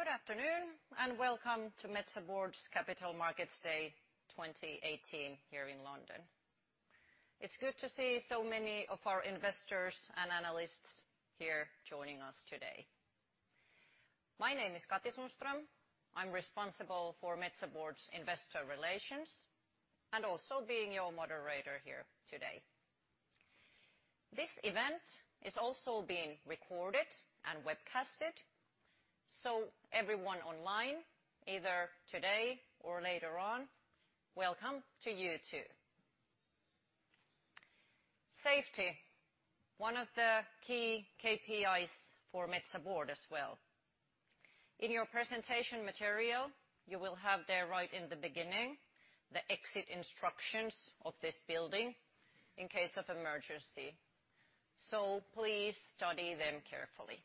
Good afternoon and welcome to Metsä Board's Capital Markets Day 2018 here in London. It's good to see so many of our investors and analysts here joining us today. My name is Katri Sundström. I'm responsible for Metsä Board's investor relations and also being your moderator here today. This event is also being recorded and webcasted, so everyone online, either today or later on, welcome to you too. Safety, one of the key KPIs for Metsä Board as well. In your presentation material, you will have there right in the beginning the exit instructions of this building in case of emergency, so please study them carefully.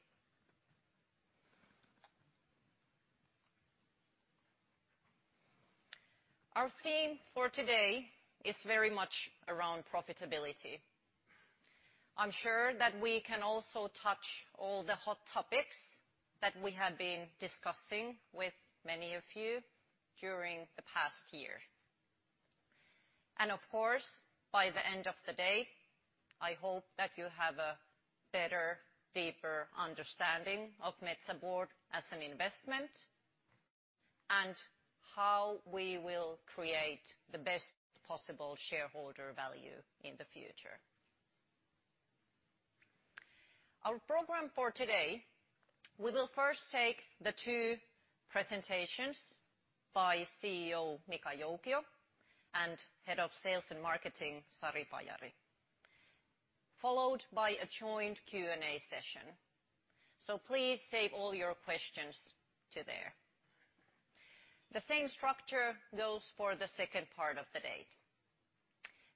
Our theme for today is very much around profitability. I'm sure that we can also touch all the hot topics that we have been discussing with many of you during the past year. Of course, by the end of the day, I hope that you have a better, deeper understanding of Metsä Board as an investment and how we will create the best possible shareholder value in the future. Our program for today, we will first take the two presentations by CEO Mika Joukio and Head of Sales and Marketing Sari Pajari, followed by a joint Q&A session. Please save all your questions to there. The same structure goes for the second part of the day.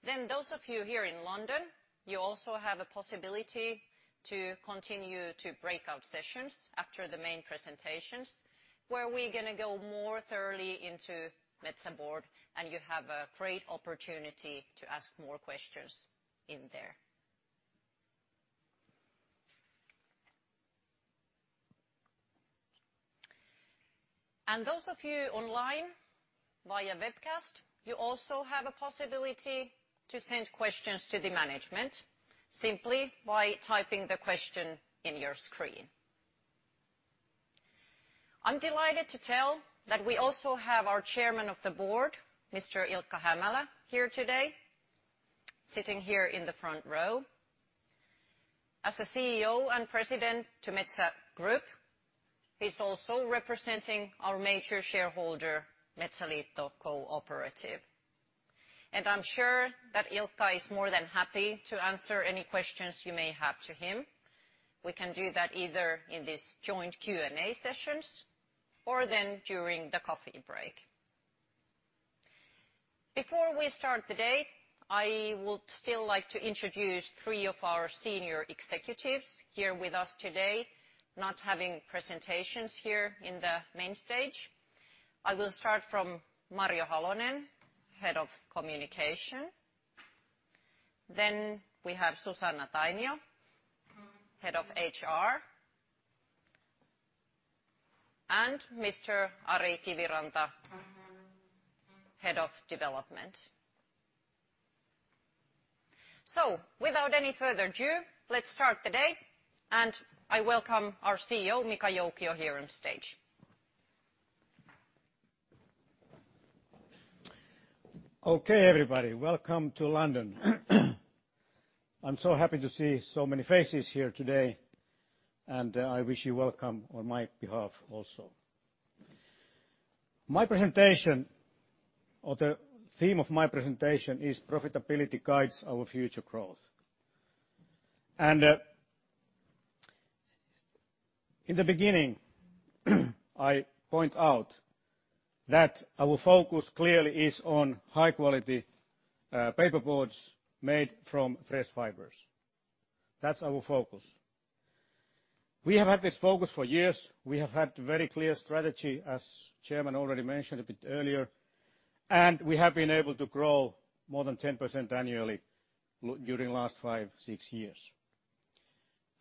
Those of you here in London, you also have a possibility to continue to breakout sessions after the main presentations where we're going to go more thoroughly into Metsä Board, and you have a great opportunity to ask more questions in there. Those of you online via webcast, you also have a possibility to send questions to the management simply by typing the question in your screen. I'm delighted to tell that we also have our Chairman of the Board, Mr. Ilkka Hämälä, here today, sitting here in the front row. As the CEO and president to Metsä Group, he's also representing our major shareholder, Metsäliitto Cooperative. I'm sure that Ilkka is more than happy to answer any questions you may have to him. We can do that either in these joint Q&A sessions or then during the coffee break. Before we start the day, I would still like to introduce three of our senior executives here with us today, not having presentations here in the main stage. I will start from Marjo Halonen, Head of Communication. Then we have Susanna Tainio, Head of HR, and Mr.Ari Kiviranta, Head of Development. So without any further ado, let's start the day, and I welcome our CEO, Mika Joukio, here on stage. Okay, everybody. Welcome to London. I'm so happy to see so many faces here today, and I wish you welcome on my behalf also. My presentation, or the theme of my presentation, is Profitability Guides Our Future Growth. And in the beginning, I point out that our focus clearly is on high-quality paperboards made from fresh fibers. That's our focus. We have had this focus for years. We have had a very clear strategy, as Chairman already mentioned a bit earlier, and we have been able to grow more than 10% annually during the last five, six years.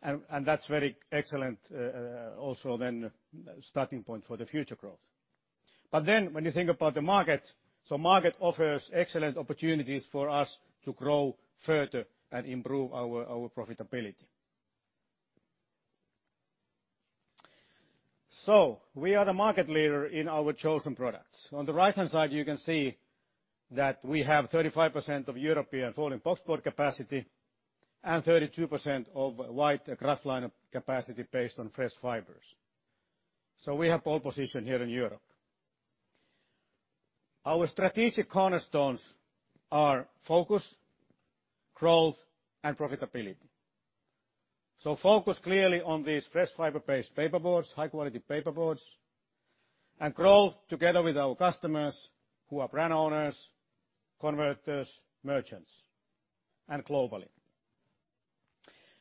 And that's a very excellent also then starting point for the future growth. But then when you think about the market, so market offers excellent opportunities for us to grow further and improve our profitability. So we are the market leader in our chosen products. On the right-hand side, you can see that we have 35% of European folding boxboard capacity and 32% of white kraftliner capacity based on fresh fibers. So we have pole position here in Europe. Our strategic cornerstones are focus, growth, and profitability. So focus clearly on these fresh fiber-based paperboards, high-quality paperboards, and growth together with our customers who are brand owners, converters, merchants, and globally.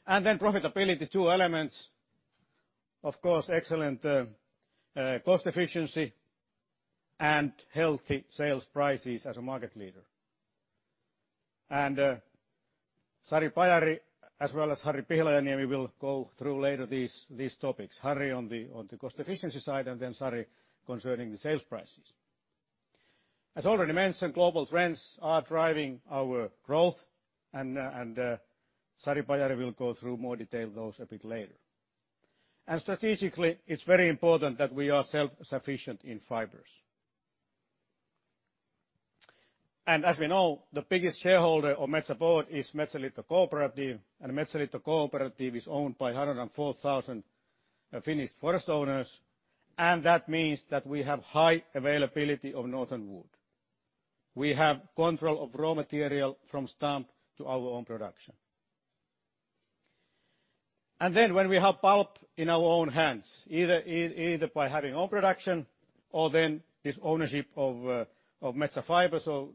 And then profitability, two elements, of course, excellent cost efficiency and healthy sales prices as a market leader. And Sari Pajari, as well as Harri Pihlajaniemi, will go through later these topics, Harri on the cost efficiency side and then Sari concerning the sales prices. As already mentioned, global trends are driving our growth, and Sari Pajari will go through more detail on those a bit later. And strategically, it's very important that we are self-sufficient in fibers. As we know, the biggest shareholder of Metsä Board is Metsäliitto Cooperative, and Metsäliitto Cooperative is owned by 104,000 Finnish forest owners, and that means that we have high availability of northern wood. We have control of raw material from stump to our own production. Then when we have pulp in our own hands, either by having own production or then this ownership of Metsä Fibre, so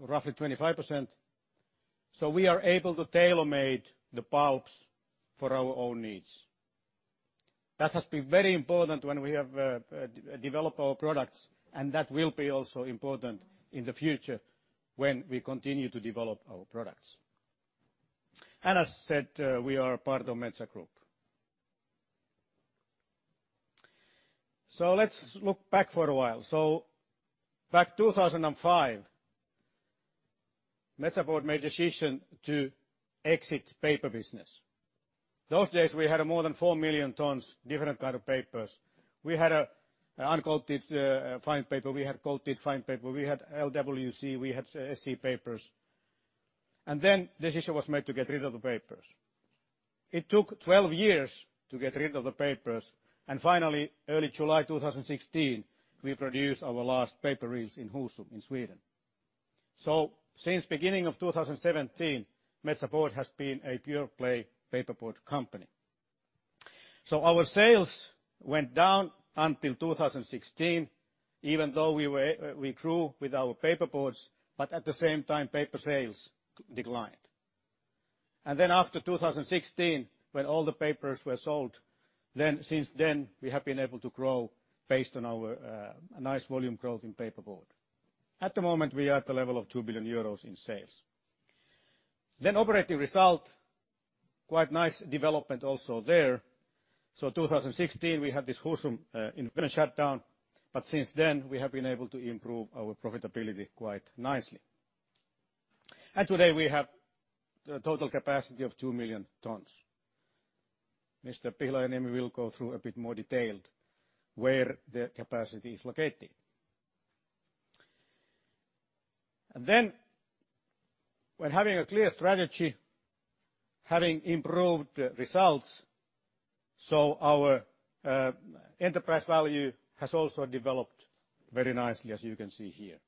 roughly 25%, so we are able to tailor-make the pulps for our own needs. That has been very important when we have developed our products, and that will be also important in the future when we continue to develop our products. As said, we are part of Metsä Group. Let's look back for a while. Back in 2005, Metsä Board made a decision to exit paper business. Those days, we had more than four million tons of different kinds of papers. We had uncoated fine paper, we had coated fine paper, we had LWC, we had SC papers. And then the decision was made to get rid of the papers. It took 12 years to get rid of the papers, and finally, early July 2016, we produced our last paper reels in Husum, in Sweden. So since the beginning of 2017, Metsä Board has been a pure-play paperboard company. So our sales went down until 2016, even though we grew with our paperboards, but at the same time, paper sales declined. And then after 2016, when all the papers were sold, then since then, we have been able to grow based on our nice volume growth in paperboard. At the moment, we are at the level of 2 billion euros in sales. Then, operating result, quite nice development also there. So, 2016, we had this Husum investment shutdown, but since then, we have been able to improve our profitability quite nicely. And today, we have a total capacity of two million tons. Mr. Pihlajaniemi will go through a bit more detailed where the capacity is located. And then, when having a clear strategy, having improved results, so our enterprise value has also developed very nicely, as you can see here.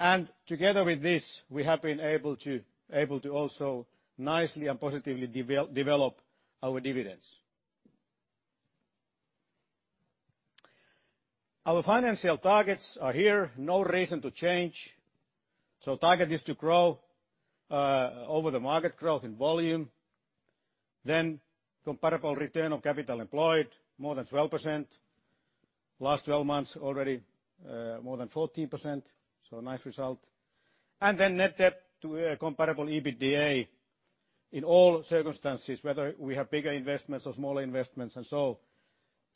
And together with this, we have been able to also nicely and positively develop our dividends. Our financial targets are here, no reason to change. So, target is to grow over the market growth in volume, then comparable return on capital employed, more than 12%. Last 12 months, already more than 14%, so nice result. Then net debt to comparable EBITDA in all circumstances, whether we have bigger investments or smaller investments, and so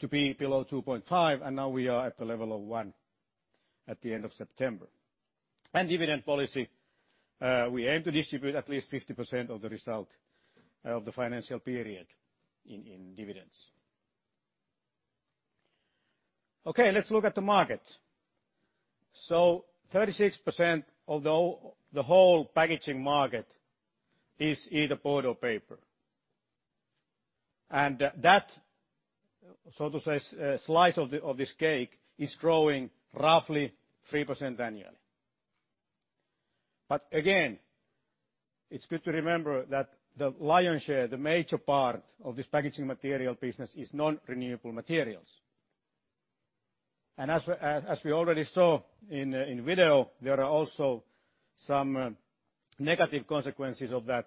to be below 2.5, and now we are at the level of 1 at the end of September. And dividend policy, we aim to distribute at least 50% of the result of the financial period in dividends. Okay, let's look at the market. So 36% of the whole packaging market is either board or paper. And that, so to say, slice of this cake is growing roughly 3% annually. But again, it's good to remember that the lion's share, the major part of this packaging material business is non-renewable materials. And as we already saw in video, there are also some negative consequences of that,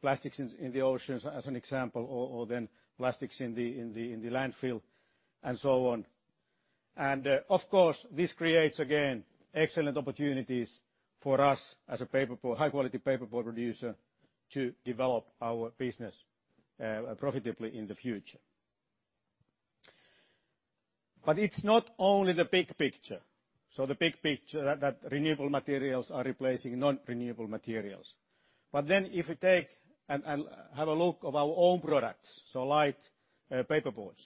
plastics in the oceans as an example, or then plastics in the landfill, and so on. And of course, this creates again excellent opportunities for us as a high-quality paperboard producer to develop our business profitably in the future. But it's not only the big picture. So the big picture, that renewable materials are replacing non-renewable materials. But then if we take and have a look at our own products, so light paperboards,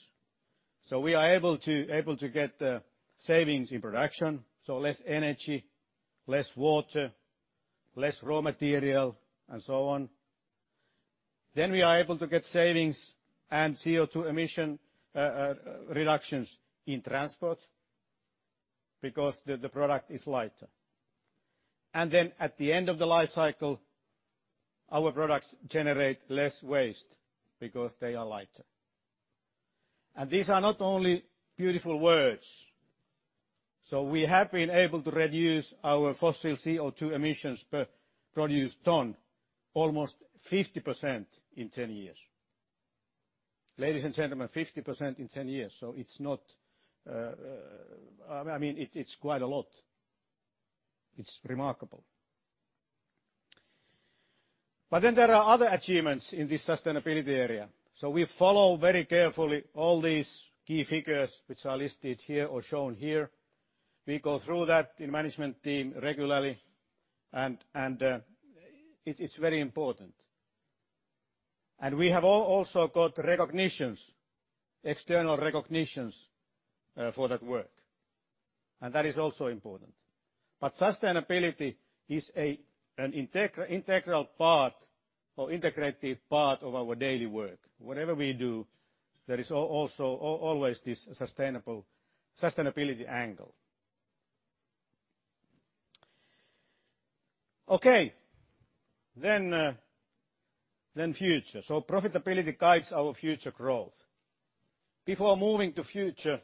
so we are able to get savings in production, so less energy, less water, less raw material, and so on. Then we are able to get savings and CO2 emission reductions in transport because the product is lighter. And then at the end of the life cycle, our products generate less waste because they are lighter. And these are not only beautiful words. So we have been able to reduce our fossil CO2 emissions per produced ton almost 50% in 10 years. Ladies and gentlemen, 50% in 10 years.It's not, I mean, it's quite a lot. It's remarkable. Then there are other achievements in this sustainability area. We follow very carefully all these key figures which are listed here or shown here. We go through that in the management team regularly, and it's very important. We have also got recognitions, external recognitions for that work. That is also important. Sustainability is an integral part or integrative part of our daily work. Whatever we do, there is also always this sustainability angle. Okay, future. Profitability guides our future growth. Before moving to future,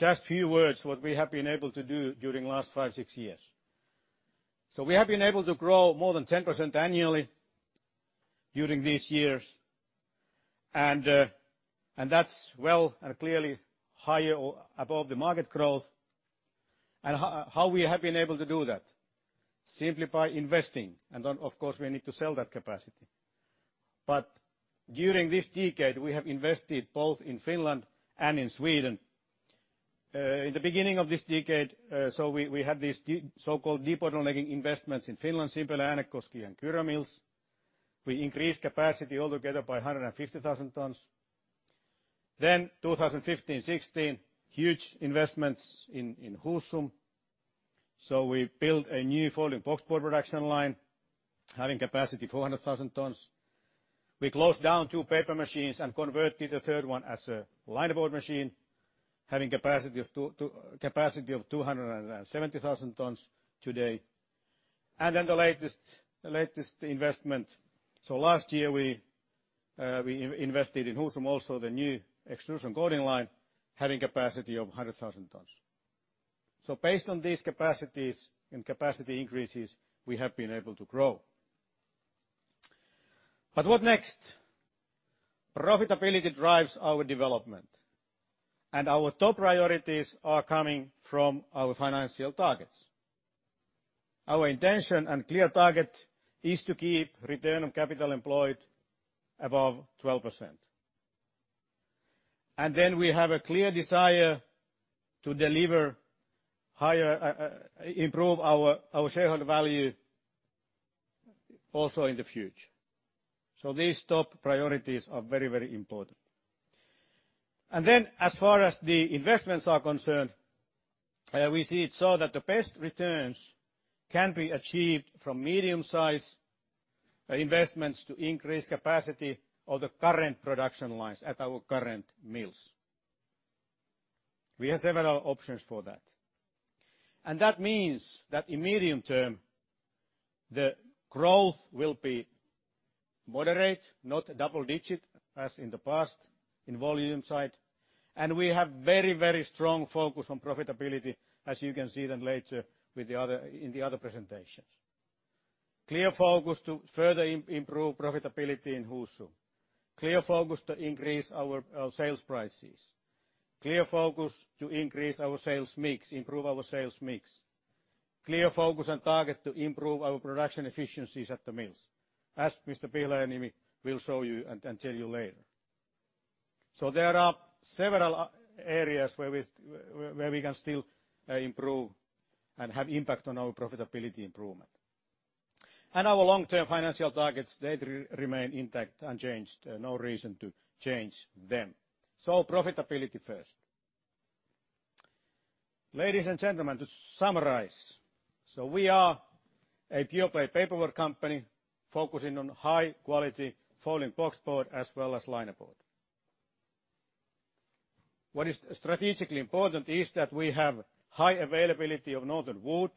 just a few words on what we have been able to do during the last five, six years. We have been able to grow more than 10% annually during these years, and that's well and clearly higher above the market growth. How we have been able to do that? Simply by investing. Of course, we need to sell that capacity. During this decade, we have invested both in Finland and in Sweden. In the beginning of this decade, so we had these so-called debottlenecking investments in Finland, Simpele, Äänekoski, and Kyrö mills. We increased capacity altogether by 150,000 tons. In 2015-2016, huge investments in Husum. We built a new folding boxboard production line, having capacity 400,000 tons. We closed down two paper machines and converted the third one as a linerboard machine, having capacity of 270,000 tons today. Then the latest investment. Last year, we invested in Husum also the new extrusion coating line, having capacity of 100,000 tons. Based on these capacities and capacity increases, we have been able to grow. What next? Profitability drives our development. And our top priorities are coming from our financial targets. Our intention and clear target is to keep Return on Capital Employed above 12%. And then we have a clear desire to deliver higher, improve our shareholder value also in the future. So these top priorities are very, very important. And then as far as the investments are concerned, we saw that the best returns can be achieved from medium-sized investments to increase capacity of the current production lines at our current mills. We have several options for that. And that means that in medium term, the growth will be moderate, not double-digit as in the past in volume side. And we have very, very strong focus on profitability, as you can see then later in the other presentations. Clear focus to further improve profitability in Husum. Clear focus to increase our sales prices. Clear focus to increase our sales mix, improve our sales mix. Clear focus and target to improve our production efficiencies at the mills, as Mr. Pihlajaniemi will show you and tell you later. So there are several areas where we can still improve and have impact on our profitability improvement. And our long-term financial targets, they remain intact, unchanged, no reason to change them. So profitability first. Ladies and gentlemen, to summarize, so we are a pure-play paperboard company focusing on high-quality folding boxboard as well as linerboard. What is strategically important is that we have high availability of northern wood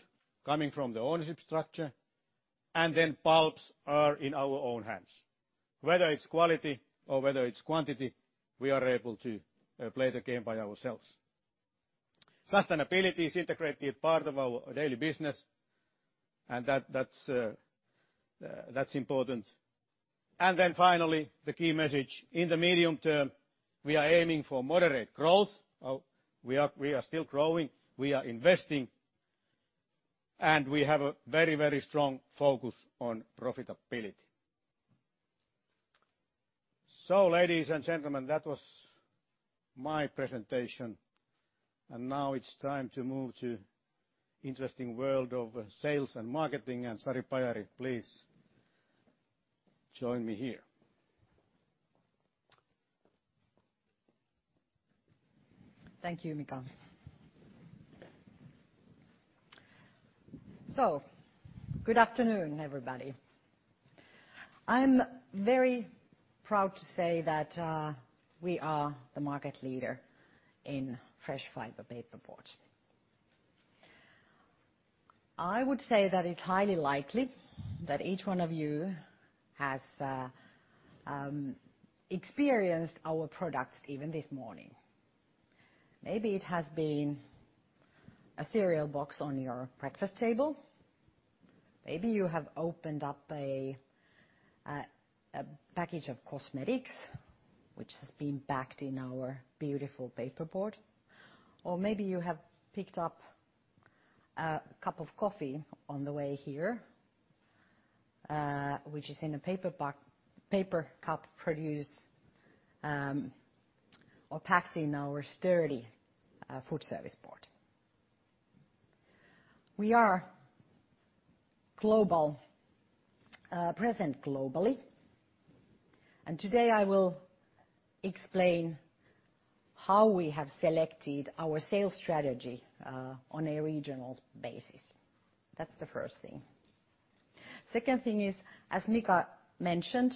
coming from the ownership structure, and then pulps are in our own hands. Whether it's quality or whether it's quantity, we are able to play the game by ourselves. Sustainability is an integrated part of our daily business, and that's important. Finally, the key message in the medium term, we are aiming for moderate growth. We are still growing, we are investing, and we have a very, very strong focus on profitability. Ladies and gentlemen, that was my presentation. Now it's time to move to the interesting world of sales and marketing. Sari Pajari, please join me here. Thank you, Mika. Good afternoon, everybody. I'm very proud to say that we are the market leader in fresh fiber paperboards. I would say that it's highly likely that each one of you has experienced our products even this morning. Maybe it has been a cereal box on your breakfast table. Maybe you have opened up a package of cosmetics, which has been packed in our beautiful paperboard. Or maybe you have picked up a cup of coffee on the way here, which is in a paper cup produced or packed in our sturdy food service board. We are present globally, and today, I will explain how we have selected our sales strategy on a regional basis. That's the first thing. Second thing is, as Mika mentioned,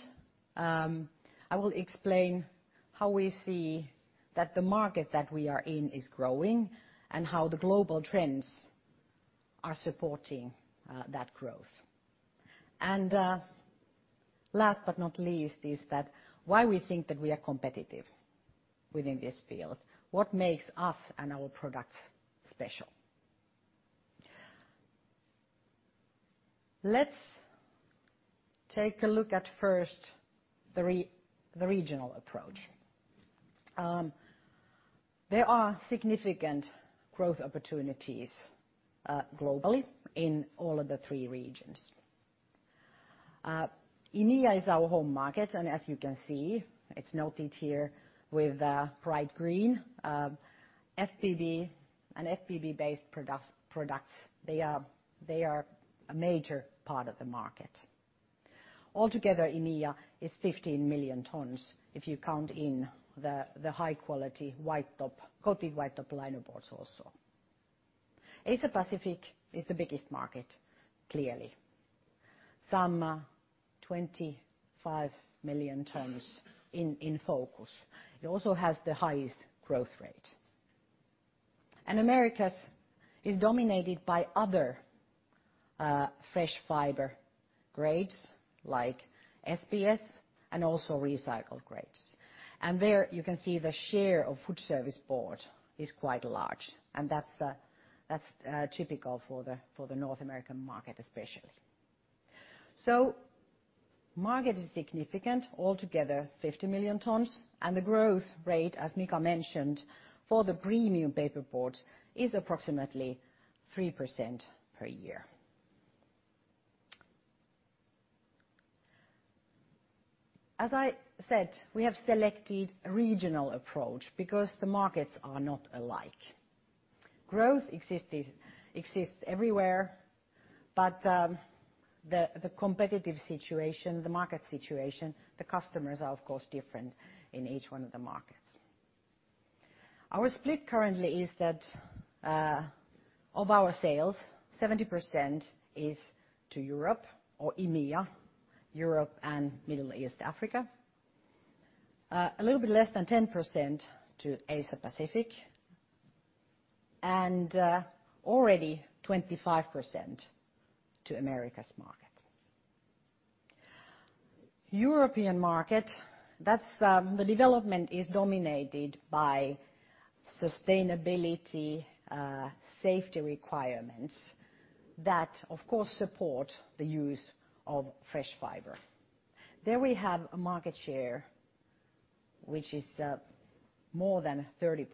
I will explain how we see that the market that we are in is growing and how the global trends are supporting that growth, and last but not least is that why we think that we are competitive within this field, what makes us and our products special. Let's take a look at first the regional approach. There are significant growth opportunities globally in all of the three regions. EMEA is our home market, and as you can see, it's noted here with bright green. FBB and FBB-based products, they are a major part of the market. Altogether, EMEA is 15 million tons if you count in the high-quality coated white top liner boards also. Asia Pacific is the biggest market, clearly. Some 25 million tons in focus. It also has the highest growth rate, and America is dominated by other fresh fiber grades like SBS and also recycled grades, and there you can see the share of food service board is quite large, and that's typical for the North American market especially, so market is significant, altogether 50 million tons, and the growth rate, as Mika mentioned, for the premium paperboards is approximately 3% per year. As I said, we have selected a regional approach because the markets are not alike. Growth exists everywhere, but the competitive situation, the market situation, the customers are of course different in each one of the markets. Our split currently is that of our sales, 70% is to Europe or EMEA, Europe and Middle East Africa. A little bit less than 10% to Asia Pacific, and already 25% to Americas market. European market, that's the development is dominated by sustainability, safety requirements that of course support the use of fresh fiber. There we have a market share which is more than 30%.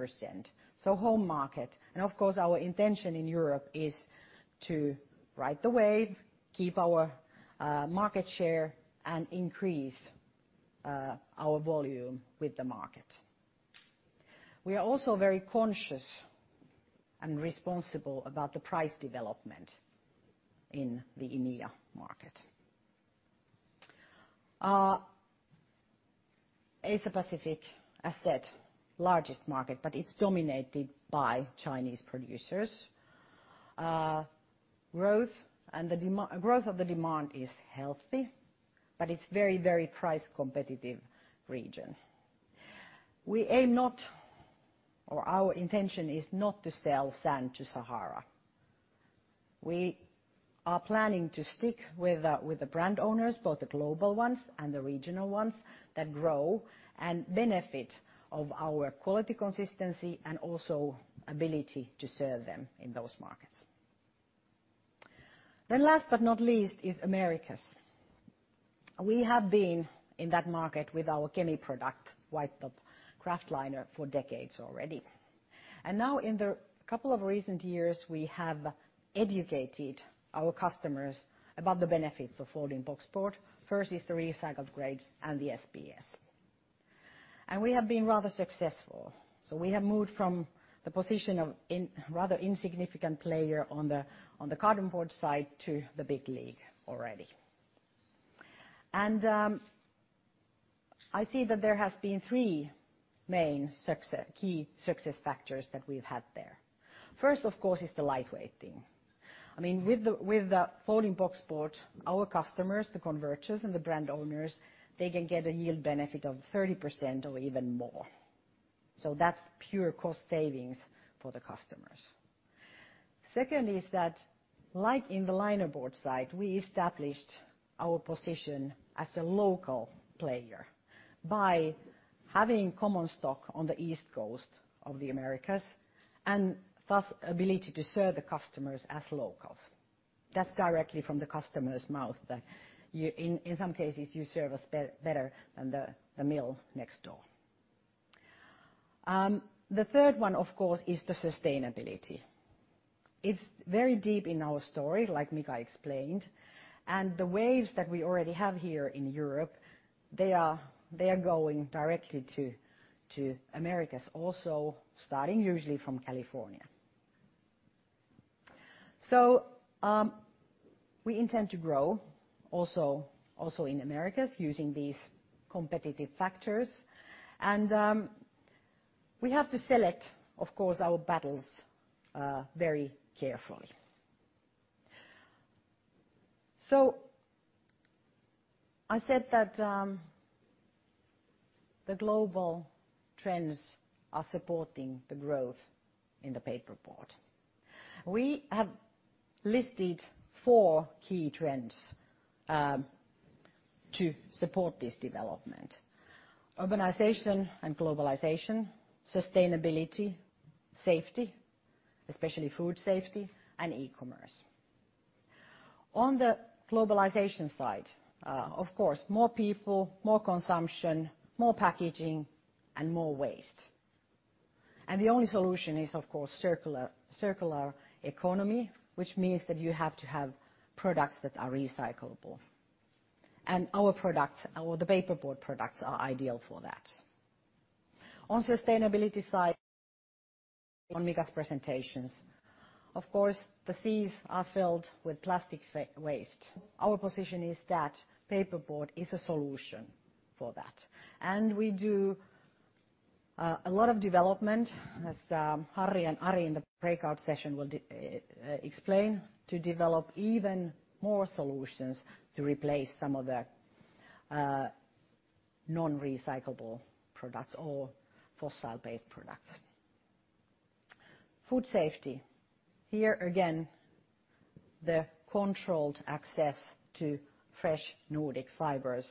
So home market. And of course, our intention in Europe is to ride the wave, keep our market share, and increase our volume with the market. We are also very conscious and responsible about the price development in the EMEA market. Asia Pacific, as said, largest market, but it's dominated by Chinese producers. Growth of the demand is healthy, but it's a very, very price competitive region. We aim not, or our intention is not to sell sand to Sahara. We are planning to stick with the brand owners, both the global ones and the regional ones that grow and benefit of our quality consistency and also ability to serve them in those markets, then last but not least is Americas. We have been in that market with our Kemi product, white top kraftliner, for decades already, and now in the couple of recent years, we have educated our customers about the benefits of folding boxboard. First is the recycled grades and the SBS. And we have been rather successful, so we have moved from the position of a rather insignificant player on the cardboard side to the big league already, and I see that there have been three main key success factors that we've had there. First, of course, is the lightweighting.I mean, with the folding boxboard, our customers, the converters and the brand owners, they can get a yield benefit of 30% or even more. So that's pure cost savings for the customers. Second is that, like in the kraftliner side, we established our position as a local player by having common stock on the East Coast of the Americas and thus ability to serve the customers as locals. That's directly from the customer's mouth that in some cases, you serve us better than the mill next door. The third one, of course, is the sustainability. It's very deep in our story, like Mika explained. And the laws that we already have here in Europe, they are going directly to the Americas also, starting usually from California. So we intend to grow also in the Americas using these competitive factors. We have to select, of course, our battles very carefully. I said that the global trends are supporting the growth in the paperboard. We have listed four key trends to support this development: urbanization and globalization, sustainability, safety, especially food safety, and e-commerce. On the globalization side, of course, more people, more consumption, more packaging, and more waste. The only solution is, of course, circular economy, which means that you have to have products that are recyclable. Our products, the paperboard products, are ideal for that. On sustainability side, on Mika's presentations, of course, the seas are filled with plastic waste. Our position is that paperboard is a solution for that. We do a lot of development, as Harri and Ari in the breakout session will explain, to develop even more solutions to replace some of the non-recyclable products or fossil-based products. Food safety. Here again, the controlled access to fresh Nordic fibers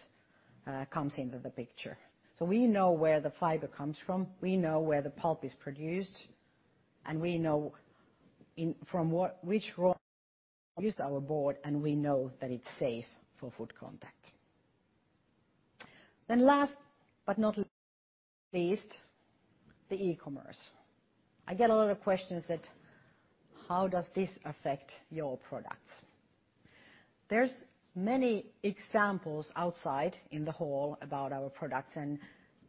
comes into the picture. So we know where the fiber comes from, we know where the pulp is produced, and we know from which raw material is our board, and we know that it's safe for food contact. Then last but not least, the e-commerce. I get a lot of questions that, how does this affect your products? There's many examples outside in the hall about our products. And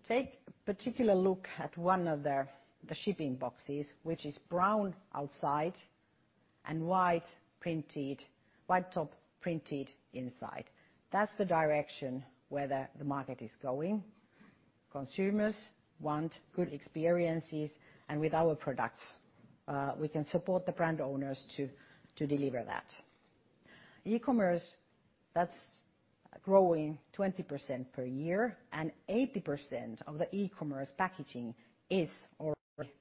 take a particular look at one of the shipping boxes, which is brown outside and white top printed inside. That's the direction where the market is going. Consumers want good experiences, and with our products, we can support the brand owners to deliver that. E-commerce, that's growing 20% per year, and 80% of the e-commerce packaging is already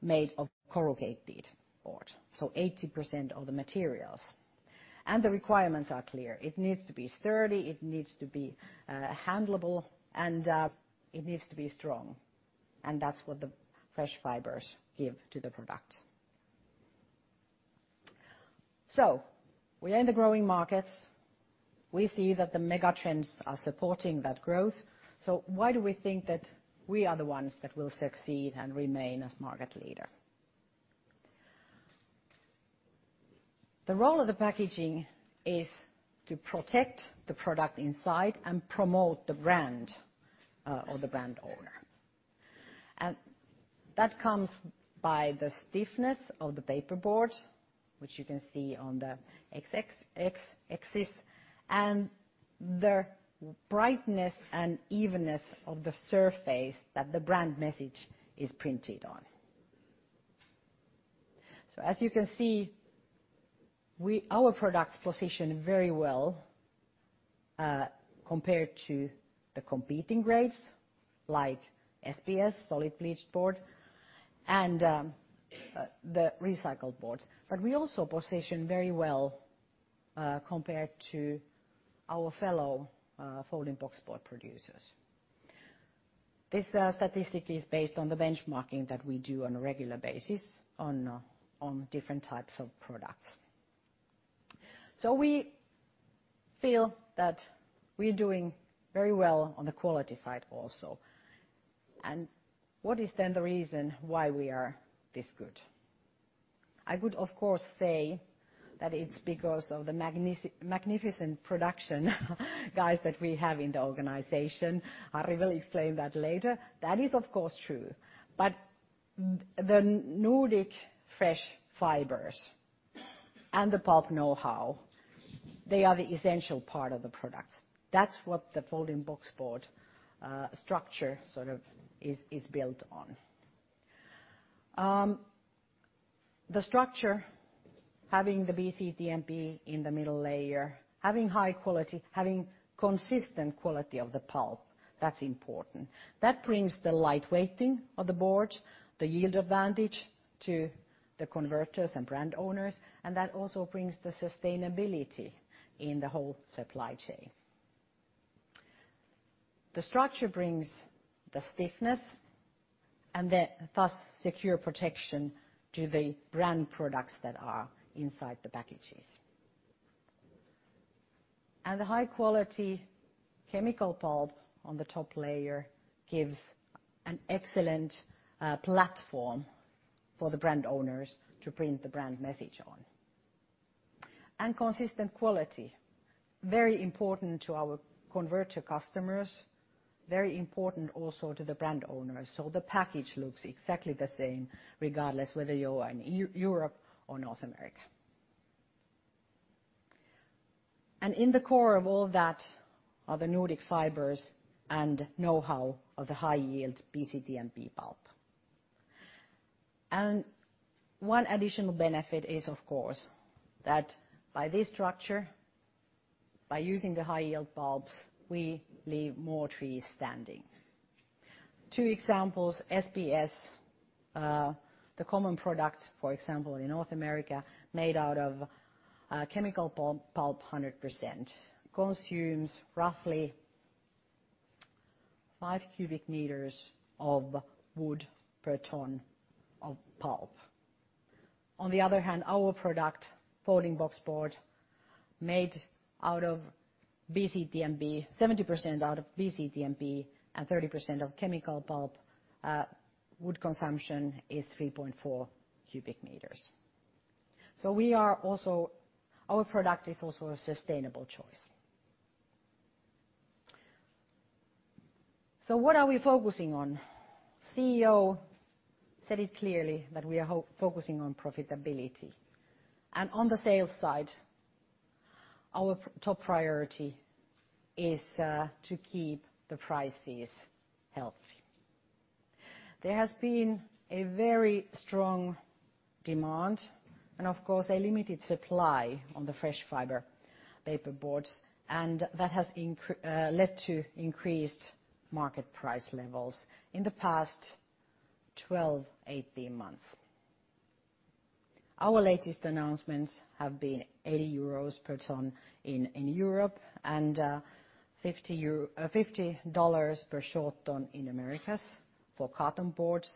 made of corrugated board. So 80% of the materials. And the requirements are clear.It needs to be sturdy, it needs to be handleable, and it needs to be strong, and that's what the fresh fibers give to the product. We are in the growing markets. We see that the mega trends are supporting that growth. Why do we think that we are the ones that will succeed and remain as market leader? The role of the packaging is to protect the product inside and promote the brand or the brand owner. That comes by the stiffness of the paperboard, which you can see on the X axis, and the brightness and evenness of the surface that the brand message is printed on. As you can see, our products position very well compared to the competing grades like SBS, solid bleached sulfate, and the recycled boards. We also position very well compared to our fellow folding boxboard producers. This statistic is based on the benchmarking that we do on a regular basis on different types of products. So we feel that we're doing very well on the quality side also. And what is then the reason why we are this good? I could, of course, say that it's because of the magnificent production guys that we have in the organization. Harri will explain that later. That is, of course, true. But the Nordic fresh fibers and the pulp know-how, they are the essential part of the products. That's what the folding boxboard structure sort of is built on. The structure, having the BCTMP in the middle layer, having high quality, having consistent quality of the pulp, that's important. That brings the lightweighting of the board, the yield advantage to the converters and brand owners. And that also brings the sustainability in the whole supply chain. The structure brings the stiffness and thus secure protection to the brand products that are inside the packages. And the high-quality chemical pulp on the top layer gives an excellent platform for the brand owners to print the brand message on. And consistent quality, very important to our converter customers, very important also to the brand owners. So the package looks exactly the same regardless whether you're in Europe or North America. And in the core of all that are the Nordic fibers and know-how of the high-yield BCTMP pulp. And one additional benefit is, of course, that by this structure, by using the high-yield pulp, we leave more trees standing. Two examples, SBS, the common product, for example, in North America made out of chemical pulp 100%, consumes roughly five cubic meters of wood per ton of pulp. On the other hand, our product, folding boxboard, made out of BCTMP, 70% out of BCTMP and 30% of chemical pulp, wood consumption is 3.4 cubic meters. Our product is also a sustainable choice. What are we focusing on? The CEO said it clearly that we are focusing on profitability. On the sales side, our top priority is to keep the prices healthy. There has been a very strong demand and, of course, a limited supply on the fresh fiber paperboards. That has led to increased market price levels in the past 12-18 months. Our latest announcements have been 80 euros per ton in Europe and $50 per short ton in the Americas for coated boards.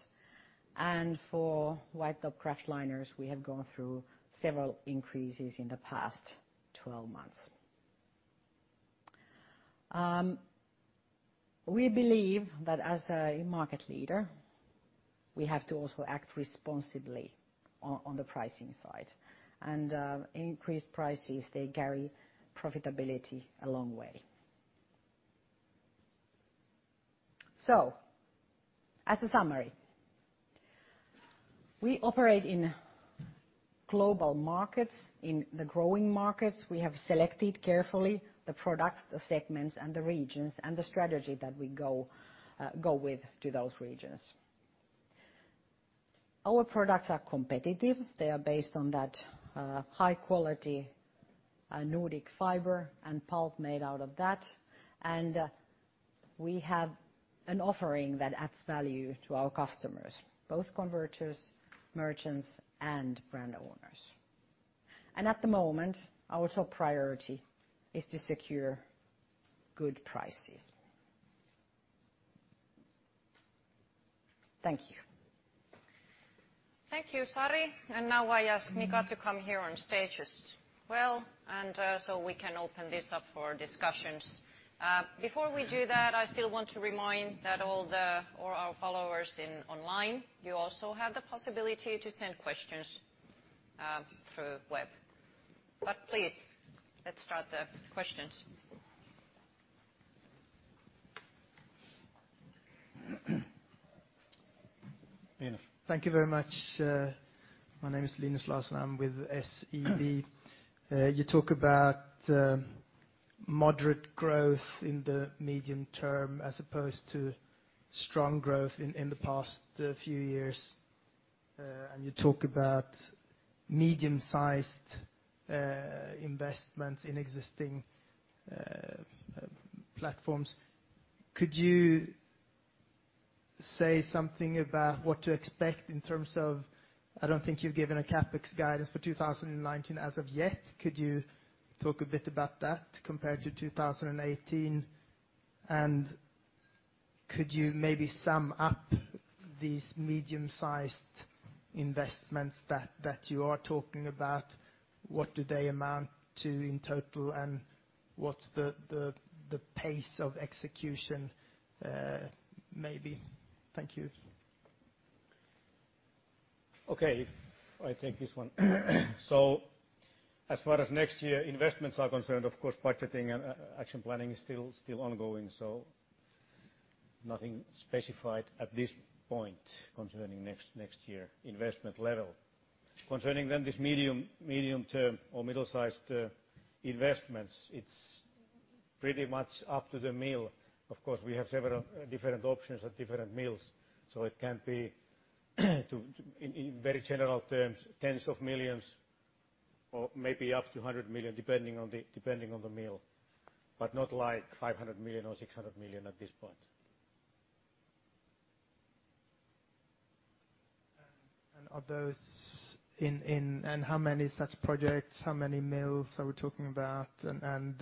For white top kraft liners, we have gone through several increases in the past 12 months. We believe that as a market leader, we have to also act responsibly on the pricing side. And increased prices, they carry profitability a long way. So as a summary, we operate in global markets, in the growing markets. We have selected carefully the products, the segments, and the regions and the strategy that we go with to those regions. Our products are competitive. They are based on that high-quality Nordic fiber and pulp made out of that. And we have an offering that adds value to our customers, both converters, merchants, and brand owners. And at the moment, our top priority is to secure good prices. Thank you. Thank you, Sari. And now I ask Mikko to come here on stage as well so we can open this up for discussions. Before we do that, I still want to remind that all our followers online, you also have the possibility to send questions through web. But please, let's start the questions. Thank you very much. My name is Linus Larsson. I'm with SEB. You talk about moderate growth in the medium term as opposed to strong growth in the past few years, and you talk about medium-sized investments in existing platforms. Could you say something about what to expect in terms of I don't think you've given a CapEx guidance for 2019 as of yet. Could you talk a bit about that compared to 2018, and could you maybe sum up these medium-sized investments that you are talking about? What do they amount to in total, and what's the pace of execution maybe? Thank you. Okay. I think this one. So as far as next year investments are concerned, of course, budgeting and action planning is still ongoing. So nothing specified at this point concerning next year investment level. Concerning then this medium term or middle-sized investments, it's pretty much up to the mill. Of course, we have several different options at different mills. So it can be, in very general terms, tens of millions or maybe up to 100 million depending on the mill, but not like 500 million or 600 million at this point. And how many such projects, how many mills are we talking about? And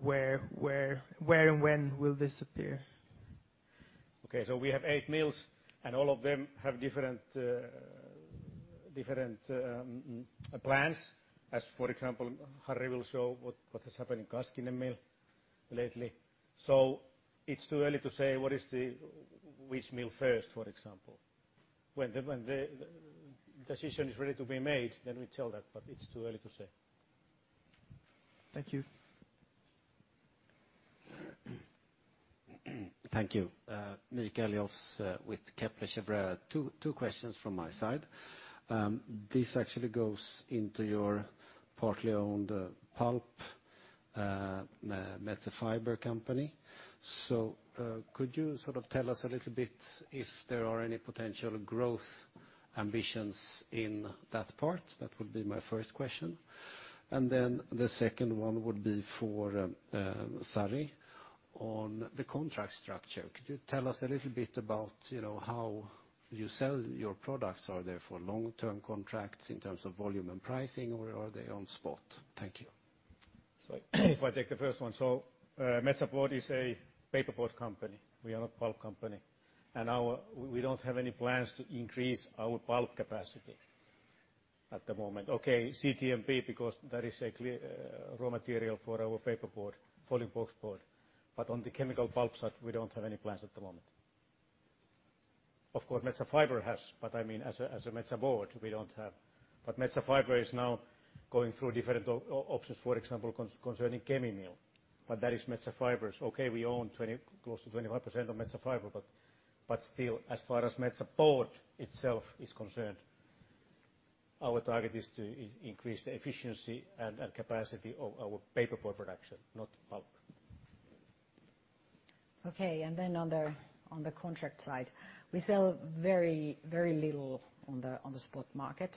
where and when will this appear? Okay. So we have eight mills, and all of them have different plans. As for example, Harri will show what has happened in Kaskinen mill lately. So it's too early to say which mill first, for example. When the decision is ready to be made, then we tell that, but it's too early to say. Thank you. Thank you. Mikael Jåfs with Kepler Cheuvreux. Two questions from my side. This actually goes into your partly owned pulp Metsä Fibre company. So could you sort of tell us a little bit if there are any potential growth ambitions in that part? That would be my first question. And then the second one would be for Sari on the contract structure. Could you tell us a little bit about how you sell your products? Are there long-term contracts in terms of volume and pricing, or are they on spot? Thank you. If I take the first one, Metsä Board is a paperboard company. We are not a pulp company. We don't have any plans to increase our pulp capacity at the moment. Okay, BCTMP, because that is a raw material for our paperboard, folding boxboard. But on the chemical pulp side, we don't have any plans at the moment. Of course, Metsä Fibre has, but I mean, as a Metsä Board, we don't have. But Metsä Fibre is now going through different options, for example, concerning chemical mill. But that is Metsä Fibre. Okay, we own close to 25% of Metsä Fibre. But still, as far as Metsä Board itself is concerned, our target is to increase the efficiency and capacity of our paperboard production, not pulp. Okay, and then on the contract side, we sell very little on the spot market.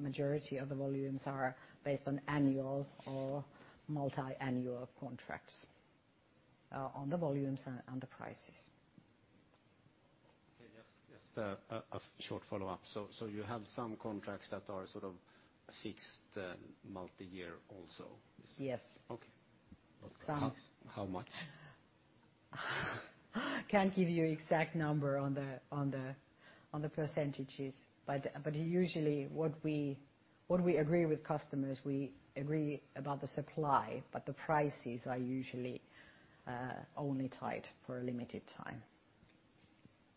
Majority of the volumes are based on annual or multi-annual contracts on the volumes and the prices. Yes, just a short follow-up. So you have some contracts that are sort of fixed multi-year also? Yes. Okay. How much? Can't give you an exact number on the percentages, but usually, what we agree with customers, we agree about the supply, but the prices are usually only tied for a limited time.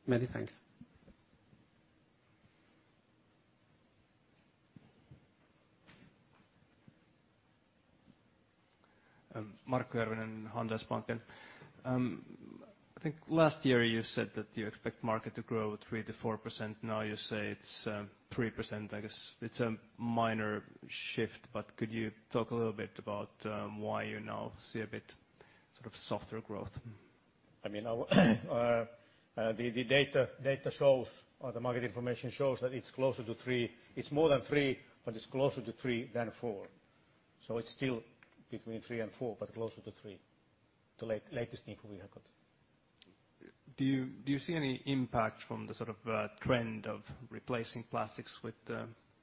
Many thanks. Markku Järvinen, Handelsbanken. I think last year you said that you expect market to grow 3%-4%. Now you say it's 3%. I guess it's a minor shift. But could you talk a little bit about why you now see a bit sort of softer growth? I mean, the data shows or the market information shows that it's closer to three. It's more than three, but it's closer to three than four. So it's still between three and four, but closer to three. The latest info we have got. Do you see any impact from the sort of trend of replacing plastics with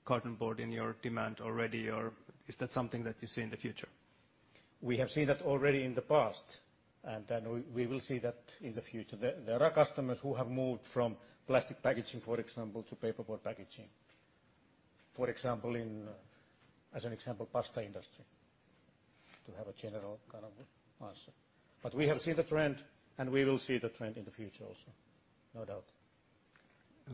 carton board in your demand already, or is that something that you see in the future? We have seen that already in the past, and we will see that in the future. There are customers who have moved from plastic packaging, for example, to paperboard packaging. For example, as an example, pasta industry. To have a general kind of answer. But we have seen the trend, and we will see the trend in the future also. No doubt.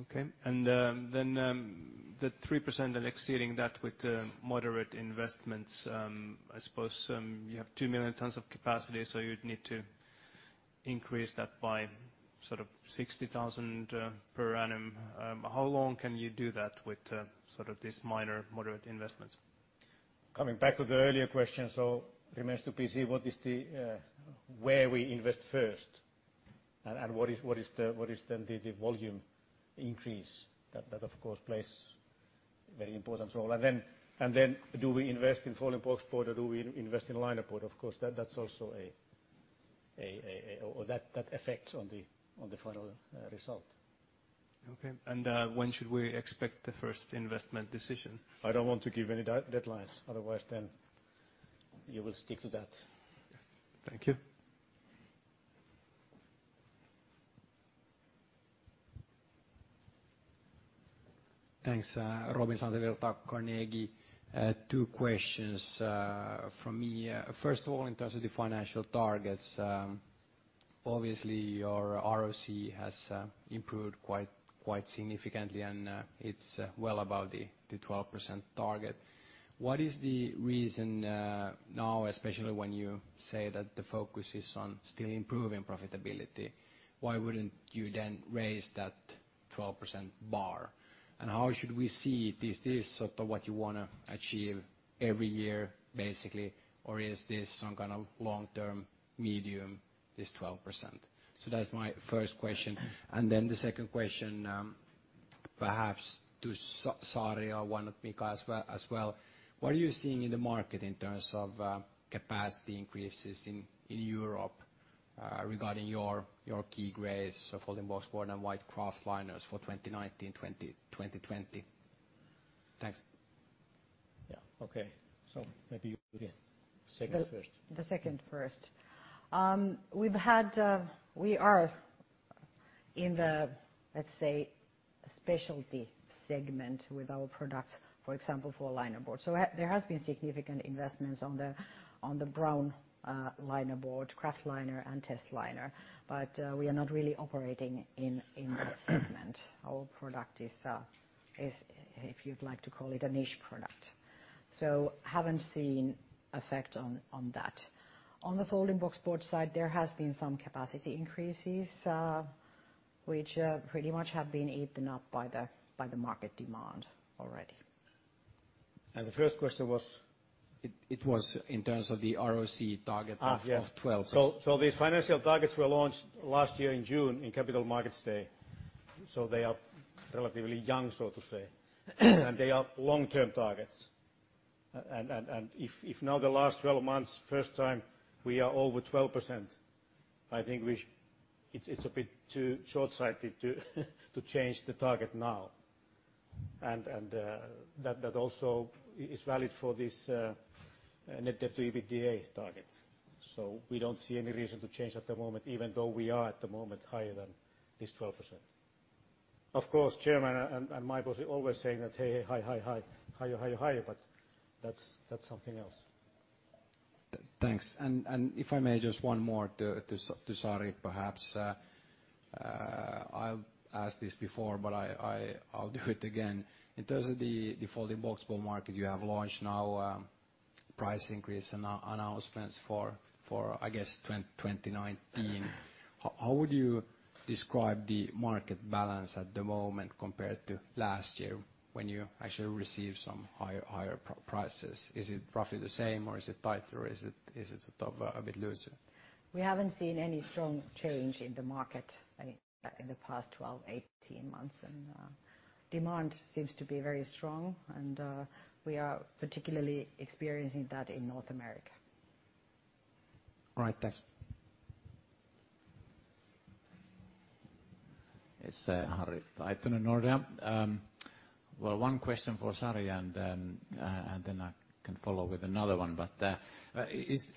Okay. And then the 3% and exceeding that with moderate investments, I suppose you have two million tons of capacity, so you'd need to increase that by sort of 60,000 per annum. How long can you do that with sort of these minor moderate investments? Coming back to the earlier question, so it remains to be seen what is, where we invest first and what is then the volume increase that, of course, plays a very important role. And then do we invest in folding boxboard, or do we invest in linerboard? Of course, that's also a that affects on the final result. Okay. And when should we expect the first investment decision? I don't want to give any deadlines. Otherwise, then you will stick to that. Thank you. Thanks. Robin Santavirta, Carnegie. Two questions from me. First of all, in terms of the financial targets, obviously, your ROCE has improved quite significantly, and it's well above the 12% target. What is the reason now, especially when you say that the focus is on still improving profitability? Why wouldn't you then raise that 12% bar? And how should we see this sort of what you want to achieve every year, basically? Or is this some kind of long-term medium, this 12%? So that's my first question. And then the second question, perhaps to Sari or one of Mika as well. What are you seeing in the market in terms of capacity increases in Europe regarding your key grades of folding boxboard and white kraft liners for 2019, 2020? Thanks. Yeah. Okay. So maybe you can say that first. We are in the, let's say, specialty segment with our products, for example, for linerboard. So there has been significant investments on the brown linerboard, kraft liner, and testliner. But we are not really operating in that segment. Our product is, if you'd like to call it, a niche product. So I haven't seen an effect on that. On the folding boxboard side, there has been some capacity increases, which pretty much have been eaten up by the market demand already. The first question, it was in terms of the ROCE target of 12%. These financial targets were launched last year in June in Capital Markets Day. They are relatively young, so to say. They are long-term targets. If in the last 12 months for the first time we are over 12%, I think it's a bit too short-sighted to change the target now. That also is valid for this net debt to EBITDA target. We don't see any reason to change at the moment, even though we are at the moment higher than this 12%. Of course, the Chairman and Mika are always saying that, "Hey, hey, high, high, high, higher, higher, higher," but that's something else. Thanks. And if I may, just one more to Sari, perhaps. I'll ask this before, but I'll do it again. In terms of the folding boxboard market, you have launched now price increase announcements for, I guess, 2019. How would you describe the market balance at the moment compared to last year when you actually received some higher prices? Is it roughly the same, or is it tighter, or is it sort of a bit looser? We haven't seen any strong change in the market in the past 12-18 months. And demand seems to be very strong, and we are particularly experiencing that in North America. All right. Thanks. It's Harri Taittunen, Nordea. Well, one question for Sari, and then I can follow with another one. But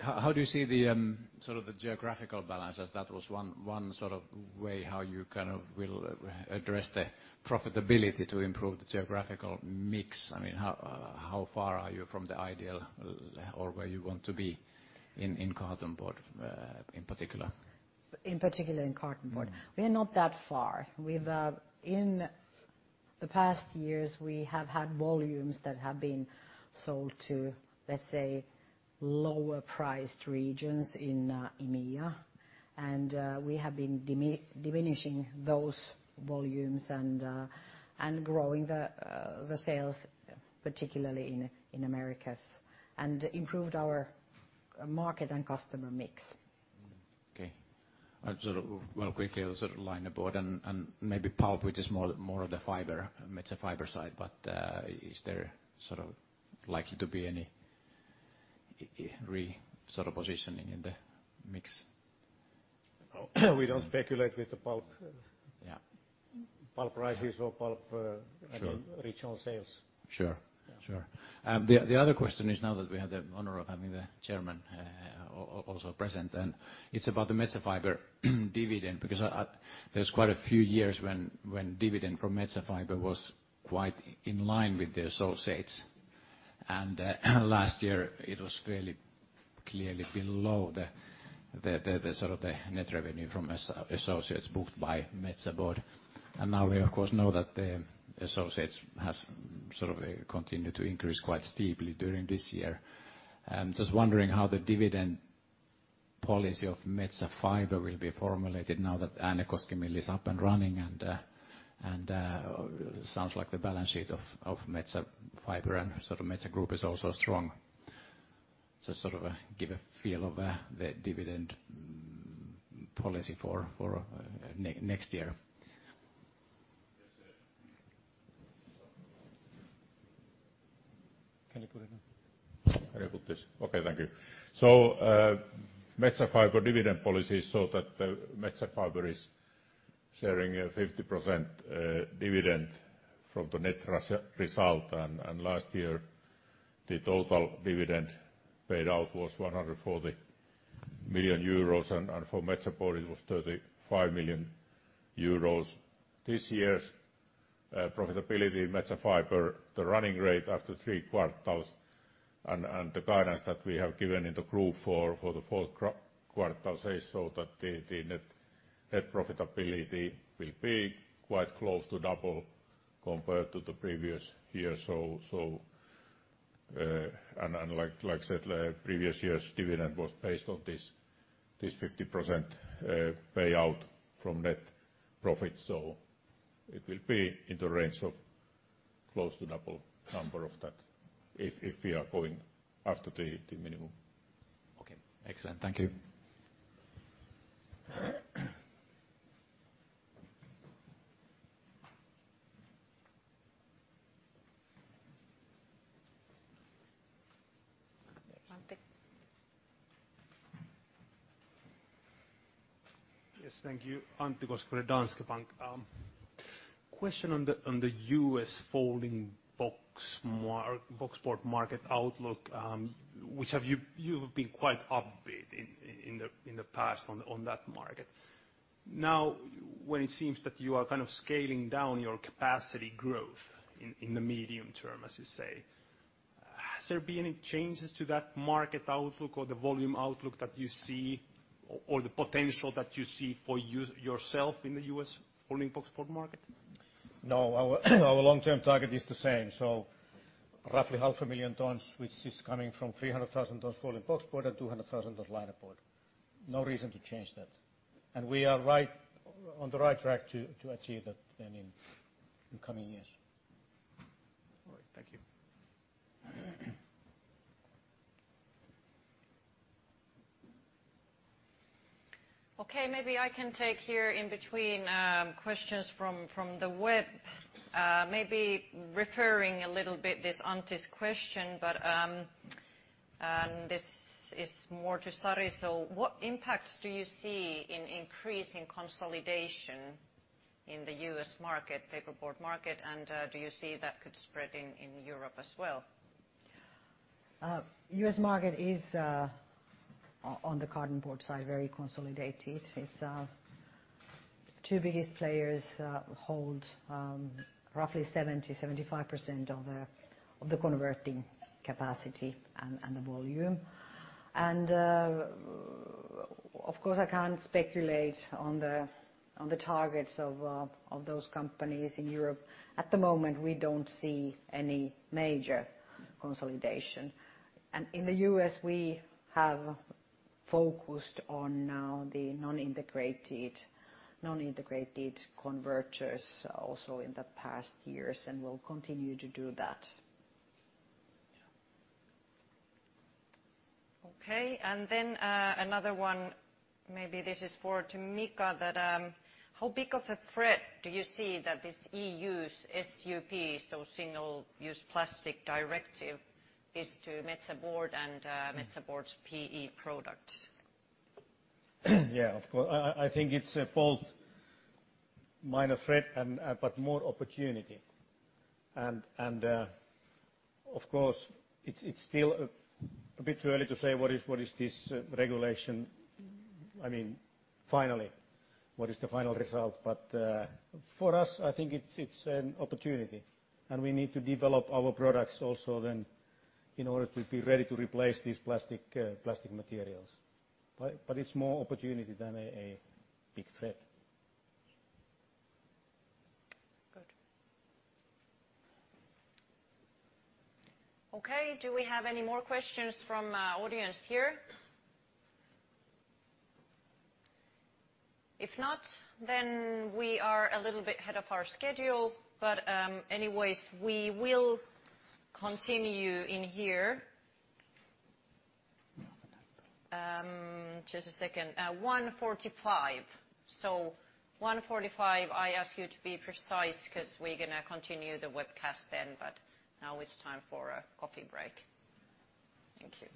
how do you see the sort of the geographical balance? That was one sort of way how you kind of will address the profitability to improve the geographical mix. I mean, how far are you from the ideal or where you want to be in carton board in particular? In particular, in carton board. We are not that far. In the past years, we have had volumes that have been sold to, let's say, lower-priced regions in EMEA. And we have been diminishing those volumes and growing the sales, particularly in Americas, and improved our market and customer mix. Okay. And sort of one quickly, the sort of linerboard and maybe pulp, which is more of the fiber, Metsä Fibre side. But is there sort of likely to be any re-sort of positioning in the mix? We don't speculate with the pulp prices or pulp regional sales. Sure. Sure. The other question is now that we have the honor of having the Chairman also present, and it's about the Metsä Fibre dividend because there's quite a few years when dividend from Metsä Fibre was quite in line with the associates. And last year, it was fairly clearly below the sort of the net revenue from associates booked by Metsä Board. And now we, of course, know that the associates has sort of continued to increase quite steeply during this year. Just wondering how the dividend policy of Metsä Fibre will be formulated now that Äänekoski mill is up and running and sounds like the balance sheet of Metsä Fibre and sort of Metsä Group is also strong. Just sort of give a feel of the dividend policy for next year. Can you put it in? Can I put this? Okay, thank you. So Metsä Fibre dividend policy is so that Metsä Fibre is sharing a 50% dividend from the net result. And last year, the total dividend paid out was 140 million euros, and for Metsä Board, it was 35 million euros. This year's profitability in Metsä Fibre, the running rate after three quarters, and the guidance that we have given in the group for the fourth quarter says so that the net profitability will be quite close to double compared to the previous year. So like I said, previous year's dividend was based on this 50% payout from net profit. So it will be in the range of close to double number of that if we are going after the minimum. Okay. Excellent. Thank you. Yes, thank you. Antti Koskivuori, Danske Bank. Question on the U.S. folding boxboard market outlook, which you've been quite upbeat in the past on that market. Now, when it seems that you are kind of scaling down your capacity growth in the medium term, as you say, has there been any changes to that market outlook or the volume outlook that you see or the potential that you see for yourself in the U.S. folding boxboard market? No, our long-term target is the same. So roughly 500,000 tons, which is coming from 300,000 tons folding boxboard and 200,000 tons linerboard. No reason to change that. And we are on the right track to achieve that in coming years. All right. Thank you. Okay. Maybe I can take here in between questions from the web. Maybe referring a little bit this Antti's question, but this is more to Sari. So what impacts do you see in increasing consolidation in the U.S. market, paperboard market, and do you see that could spread in Europe as well? U.S. market is, on the carton board side, very consolidated. Two biggest players hold roughly 70%-75% of the converting capacity and the volume. And of course, I can't speculate on the targets of those companies in Europe. At the moment, we don't see any major consolidation. And in the U.S., we have focused on now the non-integrated converters also in the past years and will continue to do that. Okay. And then another one, maybe this is for to Mika, that how big of a threat do you see that this EU's SUP, so Single Use Plastic Directive, is to Metsä Board and Metsä Board's PE products? Yeah, of course. I think it's both minor threat, but more opportunity, and of course, it's still a bit early to say what is this regulation. I mean, finally, what is the final result, but for us, I think it's an opportunity, and we need to develop our products also then in order to be ready to replace these plastic materials, but it's more opportunity than a big threat. Good. Okay. Do we have any more questions from audience here? If not, then we are a little bit ahead of our schedule. But anyways, we will continue in here. Just a second. 1:45 P.M. So 1:45 P.M., I ask you to be precise because we're going to continue the webcast then, but now it's time for a coffee break. Thank you.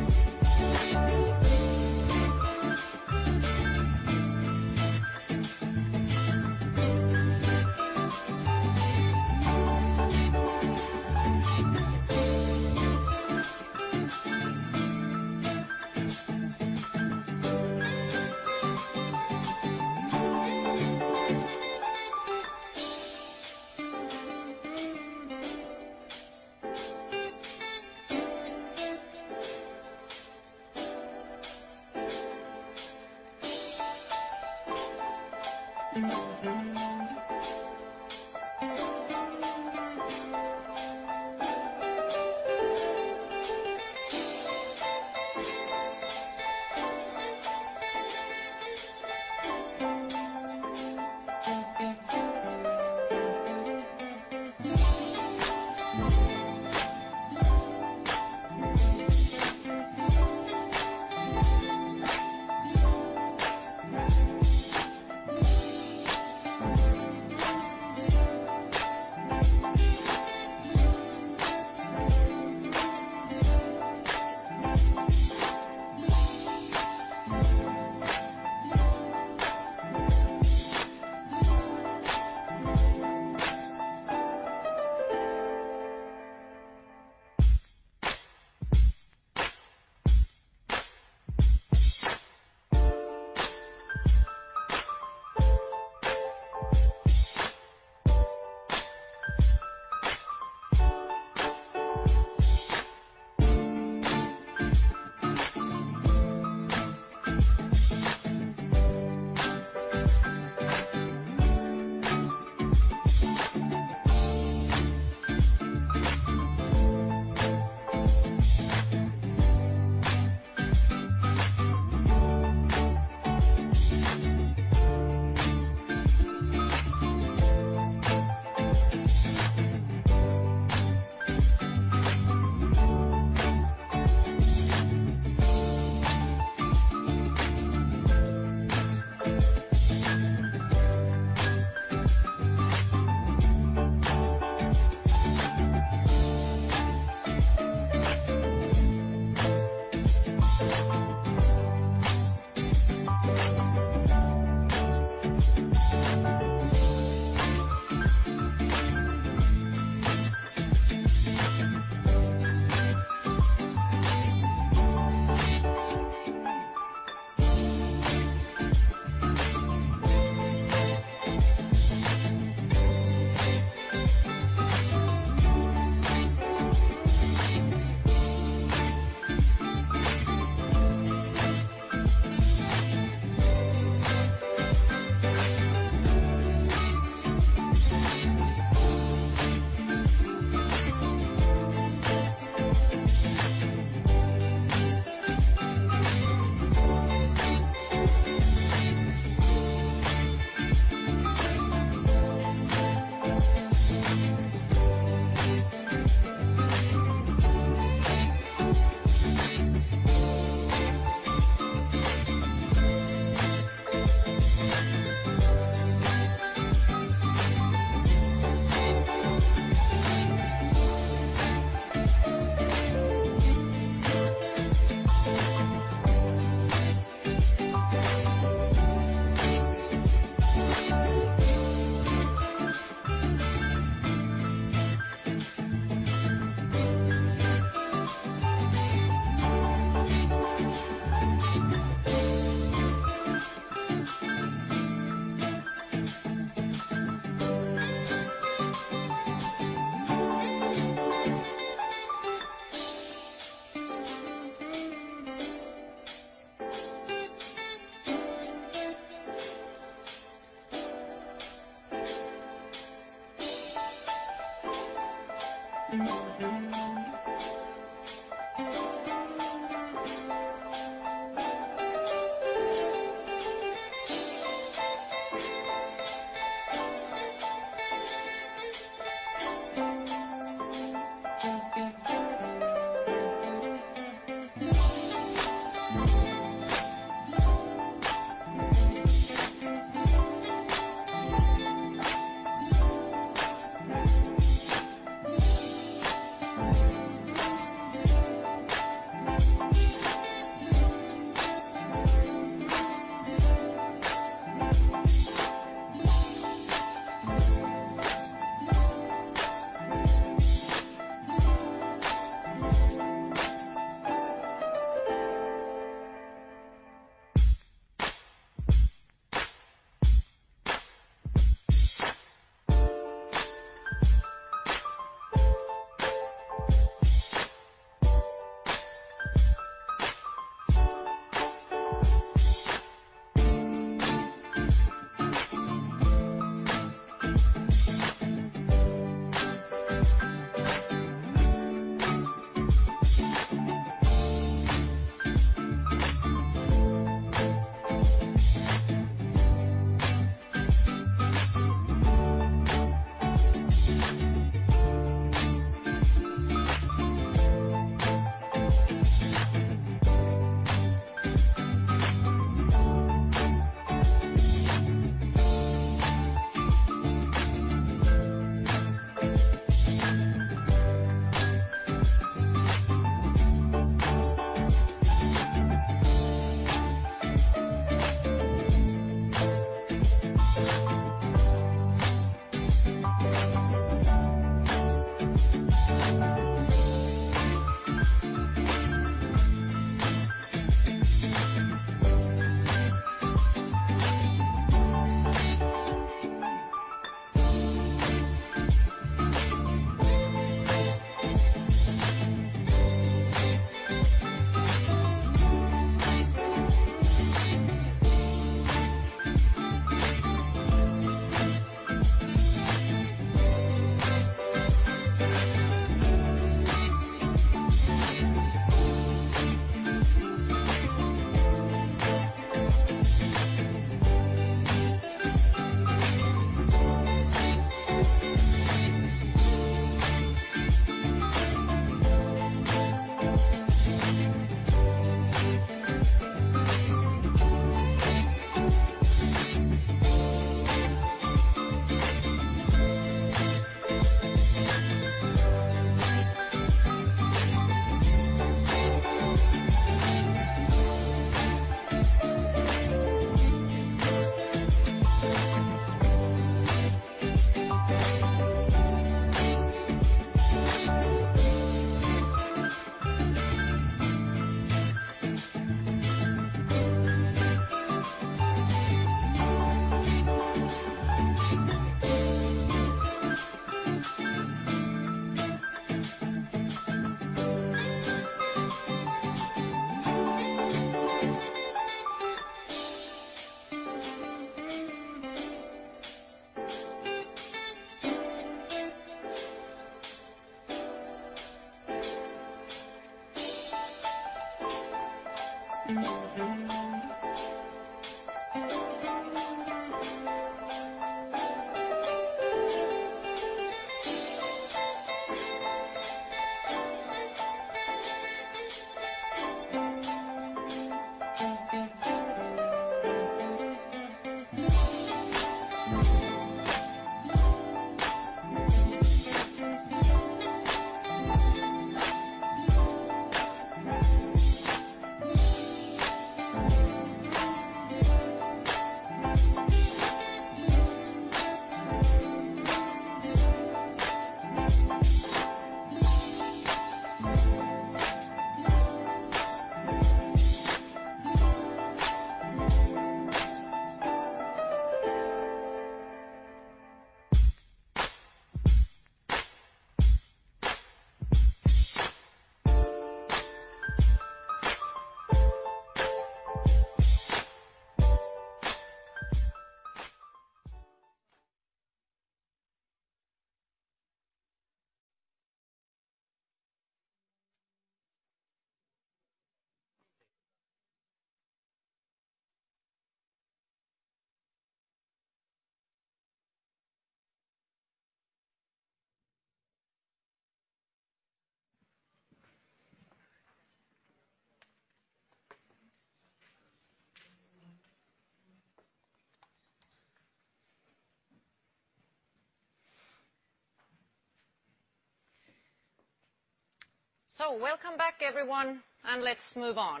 So, welcome back, everyone, and let's move on.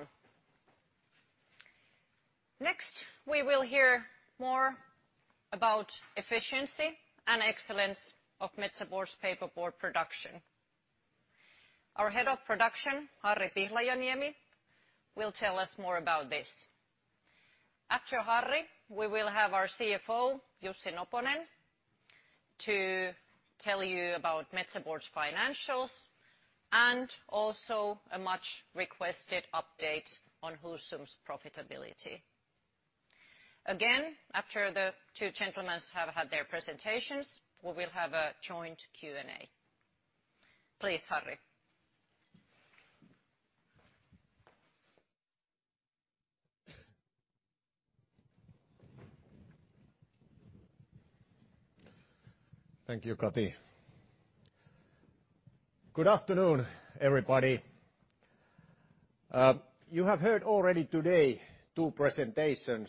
Next, we will hear more about efficiency and excellence of Metsä Board's paperboard production. Our head of production, Harri Pihlajaniemi, will tell us more about this. After Harri, we will have our CFO, Jussi Noponen, to tell you about Metsä Board's financials and also a much-requested update on Husum's profitability. Again, after the two gentlemen have had their presentations, we will have a joint Q&A. Please, Harri. Thank you, Katri. Good afternoon, everybody. You have heard already today two presentations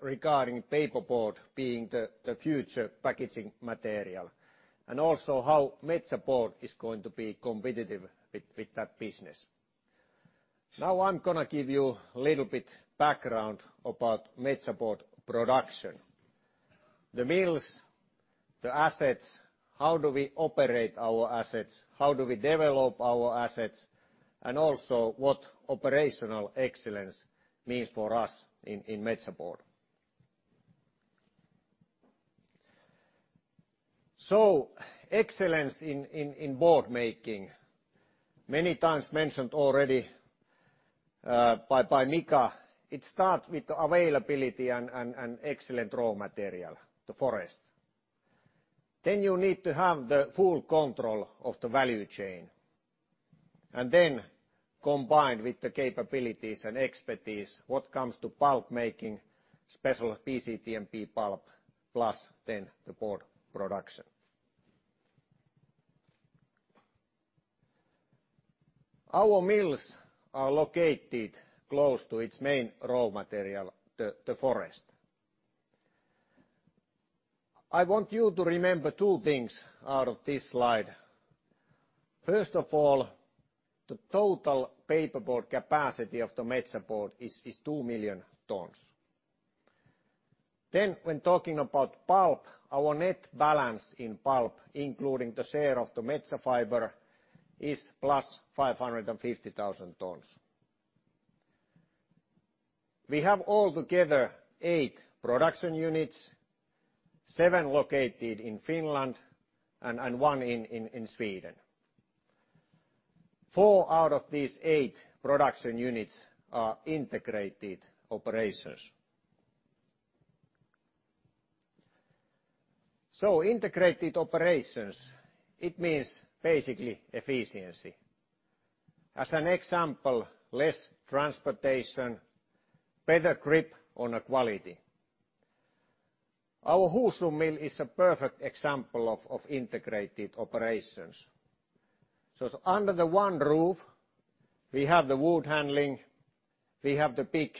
regarding paperboard being the future packaging material and also how Metsä Board is going to be competitive with that business. Now, I'm going to give you a little bit of background about Metsä Board's production. The mills, the assets, how do we operate our assets, how do we develop our assets, and also what operational excellence means for us in Metsä Board. So, excellence in board making, many times mentioned already by Mika, it starts with availability and excellent raw material, the forest. Then you need to have the full control of the value chain. And then, combined with the capabilities and expertise, what comes to pulp making, special BCTMP pulp, plus then the board production. Our mills are located close to its main raw material, the forest. I want you to remember two things out of this slide. First of all, the total paperboard capacity of the Metsä Board is 2 million tons. When talking about pulp, our net balance in pulp, including the share of the Metsä Fibre, is plus 550,000 tons. We have altogether eight production units, seven located in Finland and one in Sweden. Four out of these eight production units are integrated operations. Integrated operations, it means basically efficiency. As an example, less transportation, better grip on the quality. Our Husum mill is a perfect example of integrated operations. Under the one roof, we have the wood handling, we have the big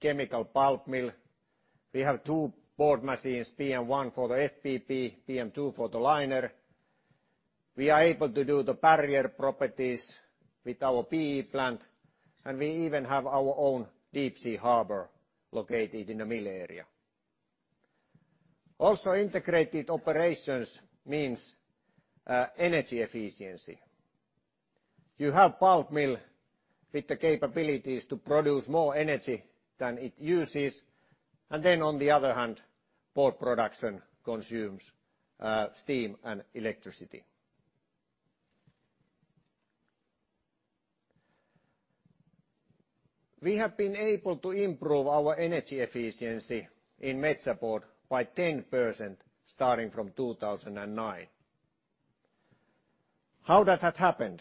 chemical pulp mill, we have two board machines, PM1 for the FBB, PM2 for the liner. We are able to do the barrier properties with our PE plant, and we even have our own deep sea harbor located in the mill area. Also, integrated operations means energy efficiency. You have a pulp mill with the capabilities to produce more energy than it uses, and then, on the other hand, board production consumes steam and electricity. We have been able to improve our energy efficiency in Metsä Board by 10% starting from 2009. How did that happen?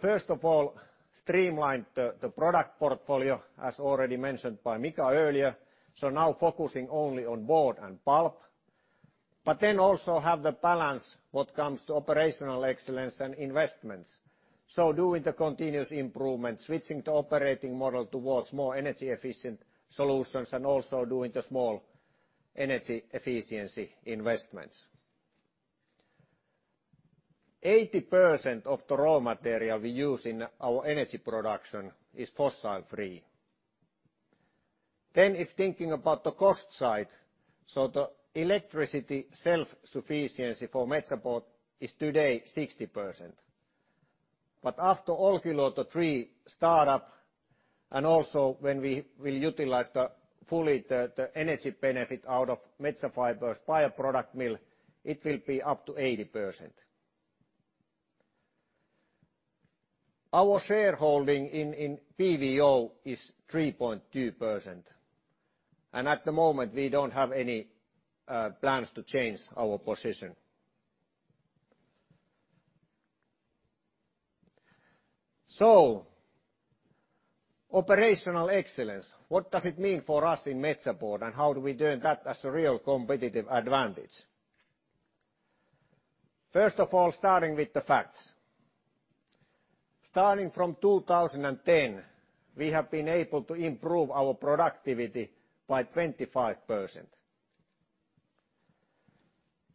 First of all, streamlined the product portfolio, as already mentioned by Mika earlier, so now focusing only on board and pulp, but then also have the balance what comes to operational excellence and investments. Doing the continuous improvement, switching the operating model towards more energy-efficient solutions, and also doing the small energy efficiency investments. 80% of the raw material we use in our energy production is fossil-free. If thinking about the cost side, the electricity self-sufficiency for Metsä Board is today 60%. But after Olkiluoto 3 startup, and also when we will utilize fully the energy benefit out of Metsä Fibre's bioproduct mill, it will be up to 80%. Our shareholding in PVO is 3.2%. And at the moment, we don't have any plans to change our position. So, operational excellence, what does it mean for us in Metsä Board, and how do we turn that as a real competitive advantage? First of all, starting with the facts. Starting from 2010, we have been able to improve our productivity by 25%.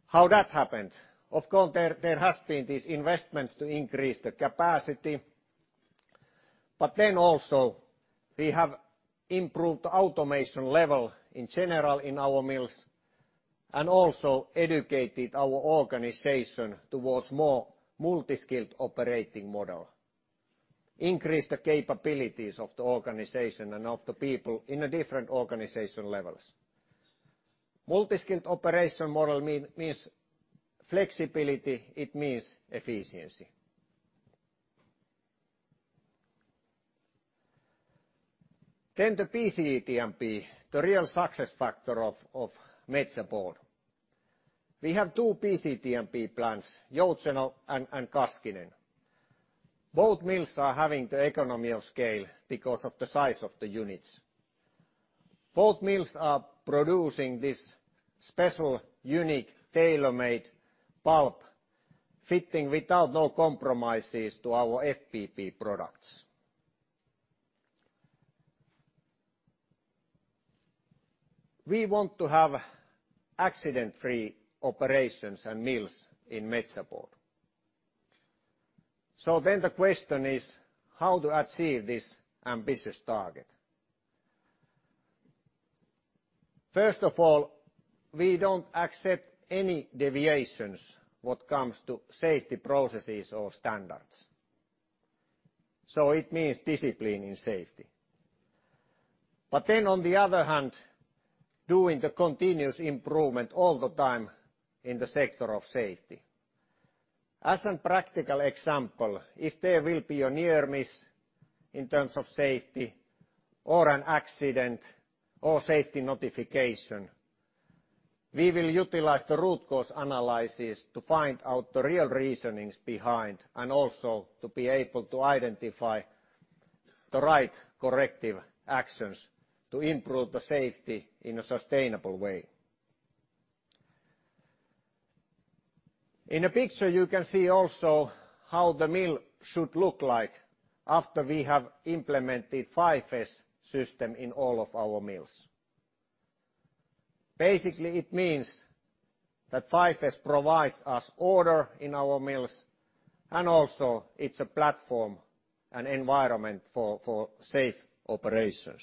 How that happened? Of course, there has been these investments to increase the capacity, but then also we have improved the automation level in general in our mills and also educated our organization towards a more multi-skilled operating model. Increased the capabilities of the organization and of the people in different organization levels. Multi-skilled operation model means flexibility. It means efficiency. Then the BCTMP, the real success factor of Metsä Board. We have two BCTMP plants, Joutseno and Kaskinen. Both mills are having the economy of scale because of the size of the units. Both mills are producing this special, unique, tailor-made pulp, fitting without no compromises to our FBB products. We want to have accident-free operations and mills in Metsä Board. So then the question is, how to achieve this ambitious target? First of all, we don't accept any deviations what comes to safety processes or standards. So it means discipline in safety. But then, on the other hand, doing the continuous improvement all the time in the sector of safety. As a practical example, if there will be a near miss in terms of safety or an accident or safety notification, we will utilize the root cause analysis to find out the real reasonings behind and also to be able to identify the right corrective actions to improve the safety in a sustainable way. In the picture, you can see also how the mill should look like after we have implemented 5S system in all of our mills. Basically, it means that 5S provides us order in our mills, and also it's a platform and environment for safe operations.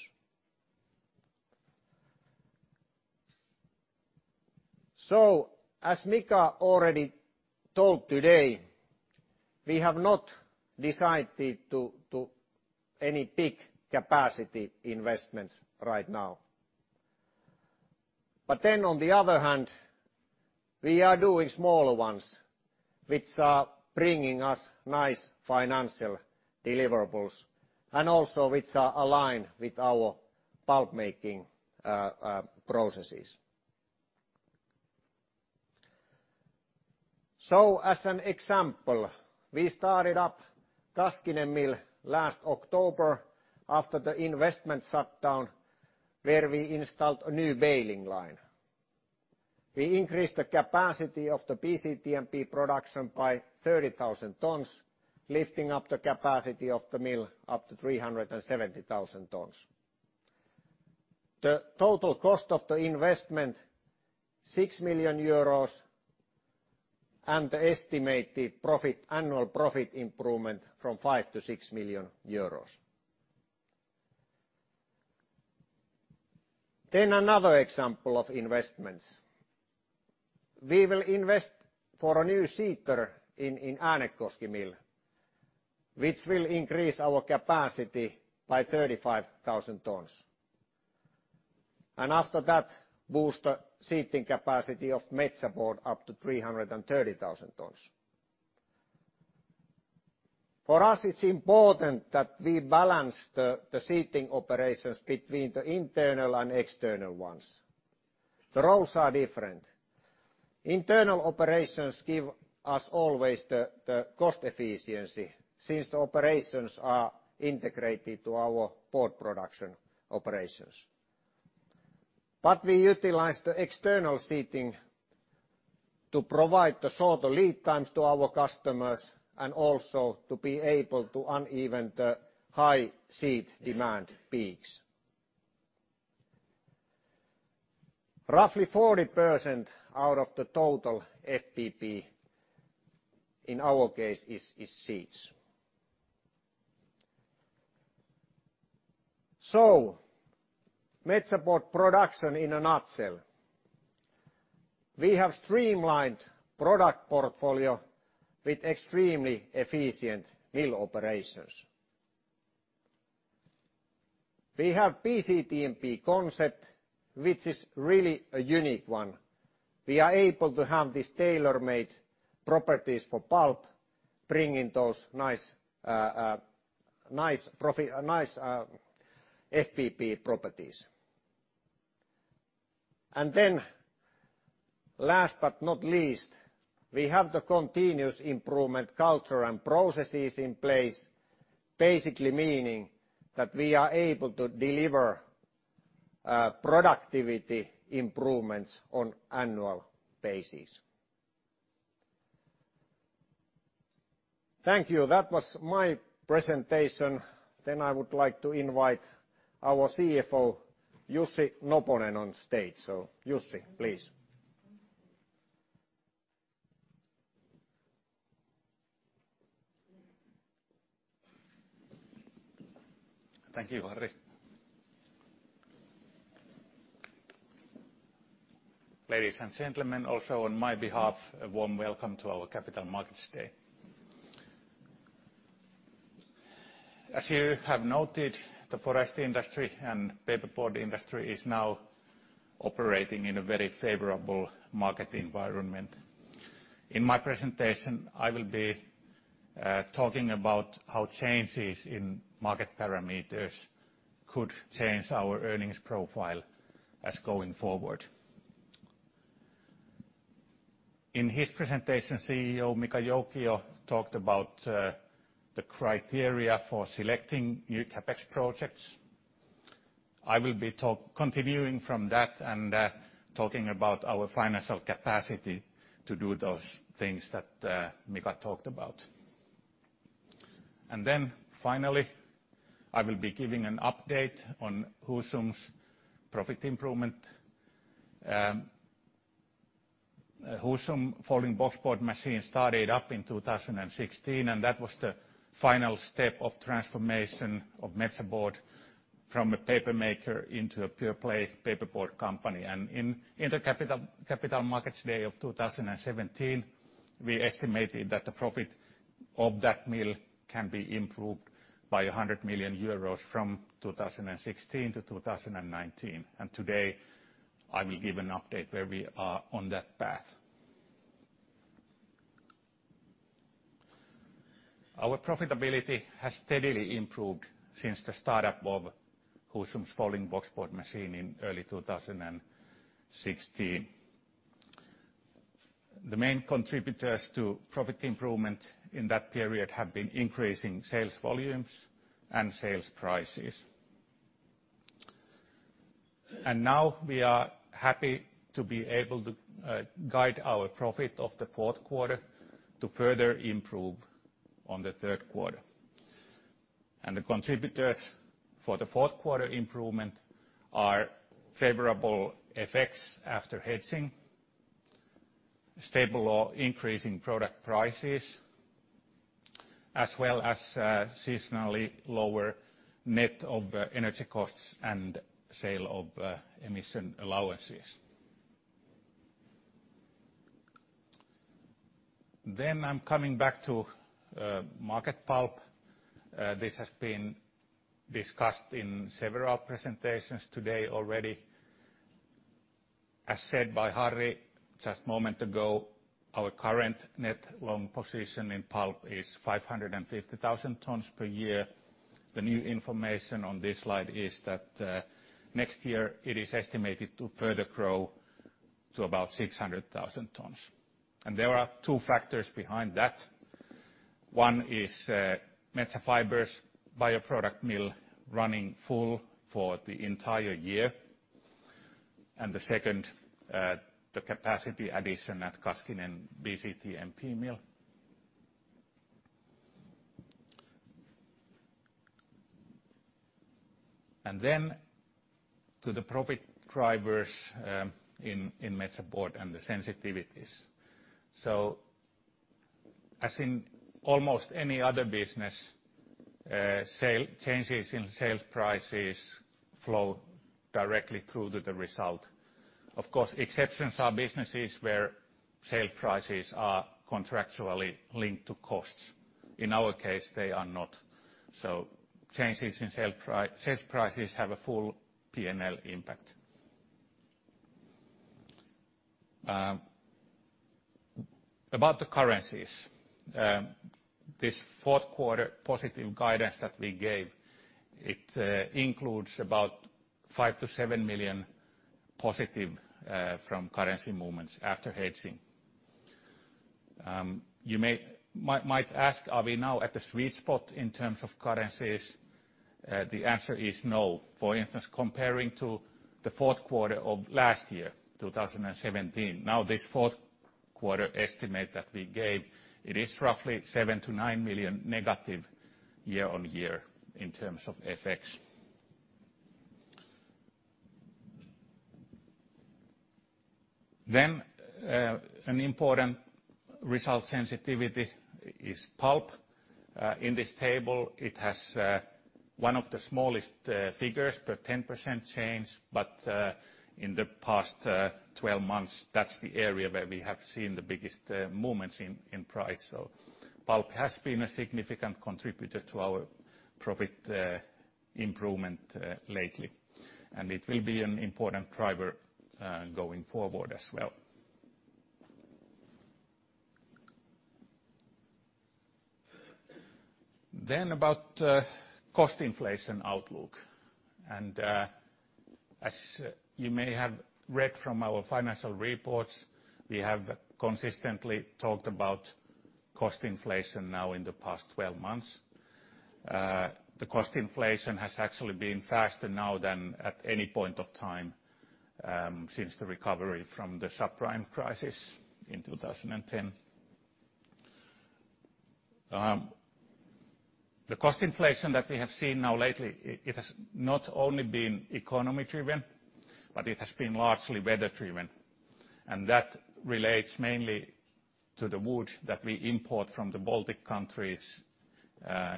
So, as Mika already told today, we have not decided to do any big capacity investments right now. But then, on the other hand, we are doing smaller ones which are bringing us nice financial deliverables and also which are aligned with our pulp making processes. As an example, we started up Kaskinen mill last October after the investment shutdown, where we installed a new baling line. We increased the capacity of the BCTMP production by 30,000 tons, lifting up the capacity of the mill up to 370,000 tons. The total cost of the investment is 6 million euros, and the estimated annual profit improvement is from 5-6 million EUR. Another example of investments. We will invest for a new sizer in Äänekoski mill, which will increase our capacity by 35,000 tons. After that, boost the sizing capacity of Metsä Board up to 330,000 tons. For us, it's important that we balance the sizing operations between the internal and external ones. The roles are different. Internal operations give us always the cost efficiency since the operations are integrated to our board production operations. But we utilize the external sourcing to provide the shorter lead times to our customers and also to be able to even out the high sourcing demand peaks. Roughly 40% out of the total FBB in our case is sourcing. So, Metsä Board production in a nutshell. We have streamlined product portfolio with extremely efficient mill operations. We have BCTMP concept, which is really a unique one. We are able to have these tailor-made properties for pulp, bringing those nice FBB properties. And then, last but not least, we have the continuous improvement culture and processes in place, basically meaning that we are able to deliver productivity improvements on an annual basis. Thank you. That was my presentation. Then I would like to invite our CFO, Jussi Noponen, on stage. So, Jussi, please. Thank you, Harri. Ladies and gentlemen, also on my behalf, a warm welcome to our Capital Markets Day.As you have noted, the forest industry and paperboard industry is now operating in a very favorable market environment. In my presentation, I will be talking about how changes in market parameters could change our earnings profile as going forward. In his presentation, CEO Mika Joukio talked about the criteria for selecting new CapEx projects. I will be continuing from that and talking about our financial capacity to do those things that Mika talked about. Then, finally, I will be giving an update on Husum's profit improvement. Husum folding boxboard machine started up in 2016, and that was the final step of transformation of Metsä Board from a paper maker into a pure play paperboard company. Then in the Capital Markets Day of 2017, we estimated that the profit of that mill can be improved by 100 million euros from 2016 to 2019. Today, I will give an update where we are on that path. Our profitability has steadily improved since the startup of Husum's folding boxboard machine in early 2016. The main contributors to profit improvement in that period have been increasing sales volumes and sales prices. Now we are happy to be able to guide our profit of the fourth quarter to further improve on the third quarter. The contributors for the fourth quarter improvement are favorable effects after hedging, stable or increasing product prices, as well as seasonally lower net of energy costs and sale of emission allowances. I'm coming back to market pulp. This has been discussed in several presentations today already. As said by Harri just a moment ago, our current net long position in pulp is 550,000 tons per year. The new information on this slide is that next year it is estimated to further grow to about 600,000 tons, and there are two factors behind that. One is Metsä Fibre's bioproduct mill running full for the entire year, and the second, the capacity addition at Kaskinen BCTMP mill, and then to the profit drivers in Metsä Board and the sensitivities, so as in almost any other business, changes in sales prices flow directly through to the result. Of course, exceptions are businesses where sale prices are contractually linked to costs. In our case, they are not, so changes in sales prices have a full P&L impact. About the currencies, this fourth quarter positive guidance that we gave, it includes about 5-7 million positive from currency movements after hedging. You might ask, are we now at the sweet spot in terms of currencies? The answer is no.For instance, comparing to the fourth quarter of last year, 2017, now this fourth quarter estimate that we gave, it is roughly -7-9 million negative year on year in terms of FX, then an important result sensitivity is pulp. In this table, it has one of the smallest figures, the 10% change, but in the past 12 months, that's the area where we have seen the biggest movements in price. So pulp has been a significant contributor to our profit improvement lately. And it will be an important driver going forward as well, then about cost inflation outlook, and as you may have read from our financial reports, we have consistently talked about cost inflation now in the past 12 months. The cost inflation has actually been faster now than at any point of time since the recovery from the subprime crisis in 2010.The cost inflation that we have seen now lately, it has not only been economy driven, but it has been largely weather driven. And that relates mainly to the wood that we import from the Baltic countries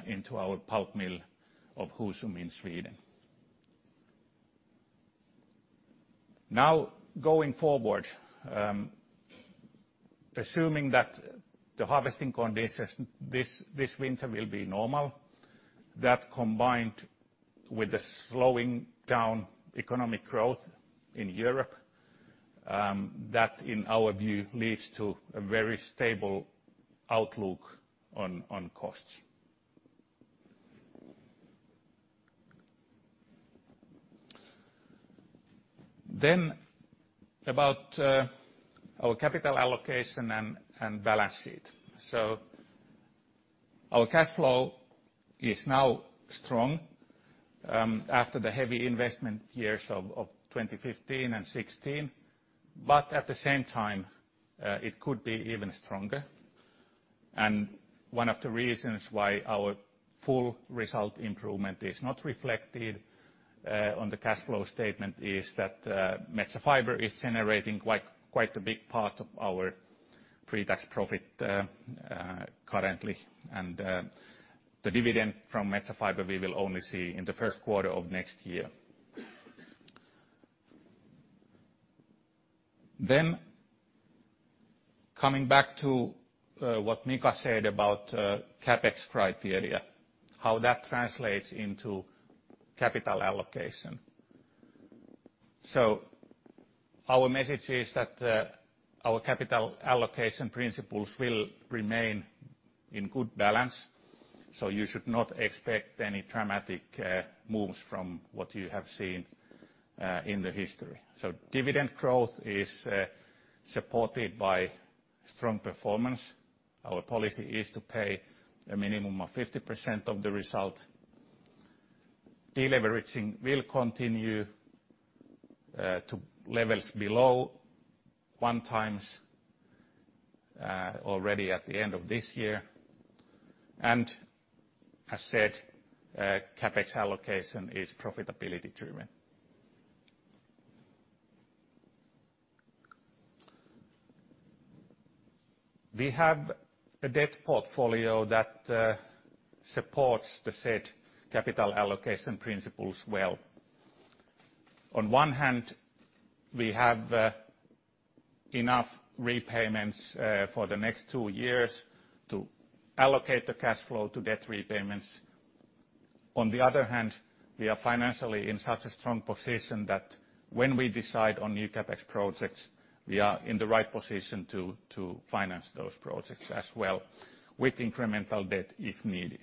into our pulp mill of Husum in Sweden. Now, going forward, assuming that the harvesting conditions this winter will be normal, that combined with the slowing down economic growth in Europe, that in our view leads to a very stable outlook on costs. Then about our capital allocation and balance sheet. So our cash flow is now strong after the heavy investment years of 2015 and 2016, but at the same time, it could be even stronger. And one of the reasons why our full result improvement is not reflected on the cash flow statement is that Metsä Fibre is generating quite a big part of our pre-tax profit currently. The dividend from Metsä Fibre, we will only see in the first quarter of next year. Coming back to what Mika said about CapEx criteria, how that translates into capital allocation. Our message is that our capital allocation principles will remain in good balance. You should not expect any dramatic moves from what you have seen in the history. Dividend growth is supported by strong performance. Our policy is to pay a minimum of 50% of the result. Deleveraging will continue to levels below one times already at the end of this year. As said, CapEx allocation is profitability driven. We have a debt portfolio that supports the said capital allocation principles well. On one hand, we have enough repayments for the next two years to allocate the cash flow to debt repayments. On the other hand, we are financially in such a strong position that when we decide on new CapEx projects, we are in the right position to finance those projects as well with incremental debt if needed.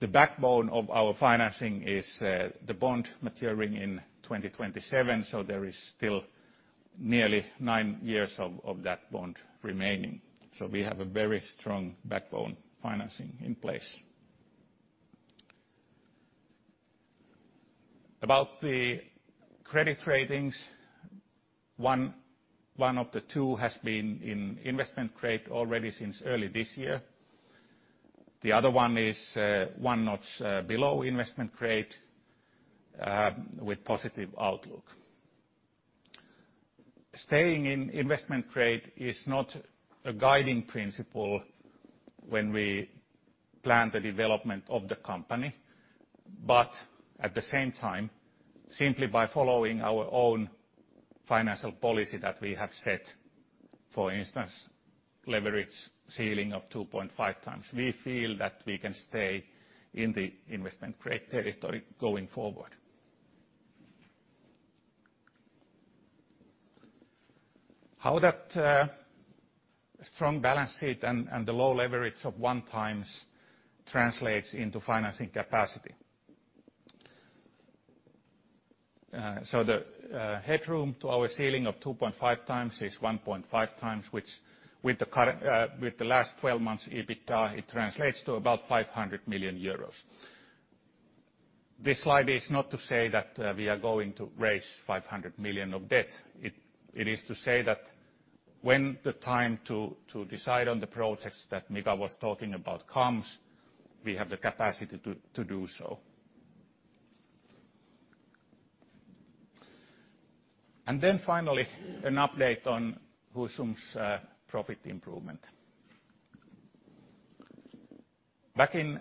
The backbone of our financing is the bond maturing in 2027. So there is still nearly nine years of that bond remaining. So we have a very strong backbone financing in place. About the credit ratings, one of the two has been in investment grade already since early this year. The other one is one notch below investment grade with positive outlook. Staying in investment grade is not a guiding principle when we plan the development of the company. But at the same time, simply by following our own financial policy that we have set, for instance, leverage ceiling of 2.5 times, we feel that we can stay in the investment grade territory going forward. How that strong balance sheet and the low leverage of one times translates into financing capacity. So the headroom to our ceiling of 2.5 times is 1.5 times, which with the last 12 months EBITDA, it translates to about 500 million euros. This slide is not to say that we are going to raise 500 million of debt. It is to say that when the time to decide on the projects that Mika was talking about comes, we have the capacity to do so. And then finally, an update on Husum's profit improvement. Back in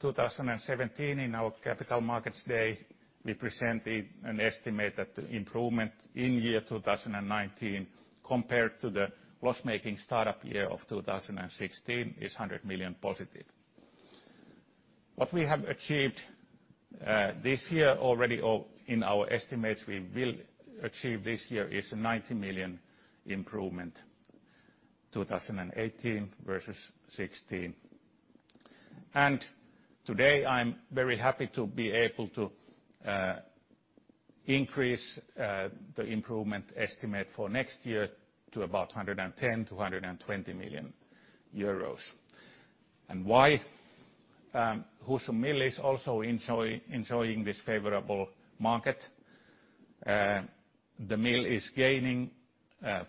2017, in our Capital Markets Day, we presented an estimate that the improvement in year 2019 compared to the loss-making startup year of 2016 is 100 million positive. What we have achieved this year already in our estimates we will achieve this year is a 90 million improvement, 2018 versus 2016. Today, I'm very happy to be able to increase the improvement estimate for next year to about 110-120 million euros. Why? Husum mill is also enjoying this favorable market. The mill is gaining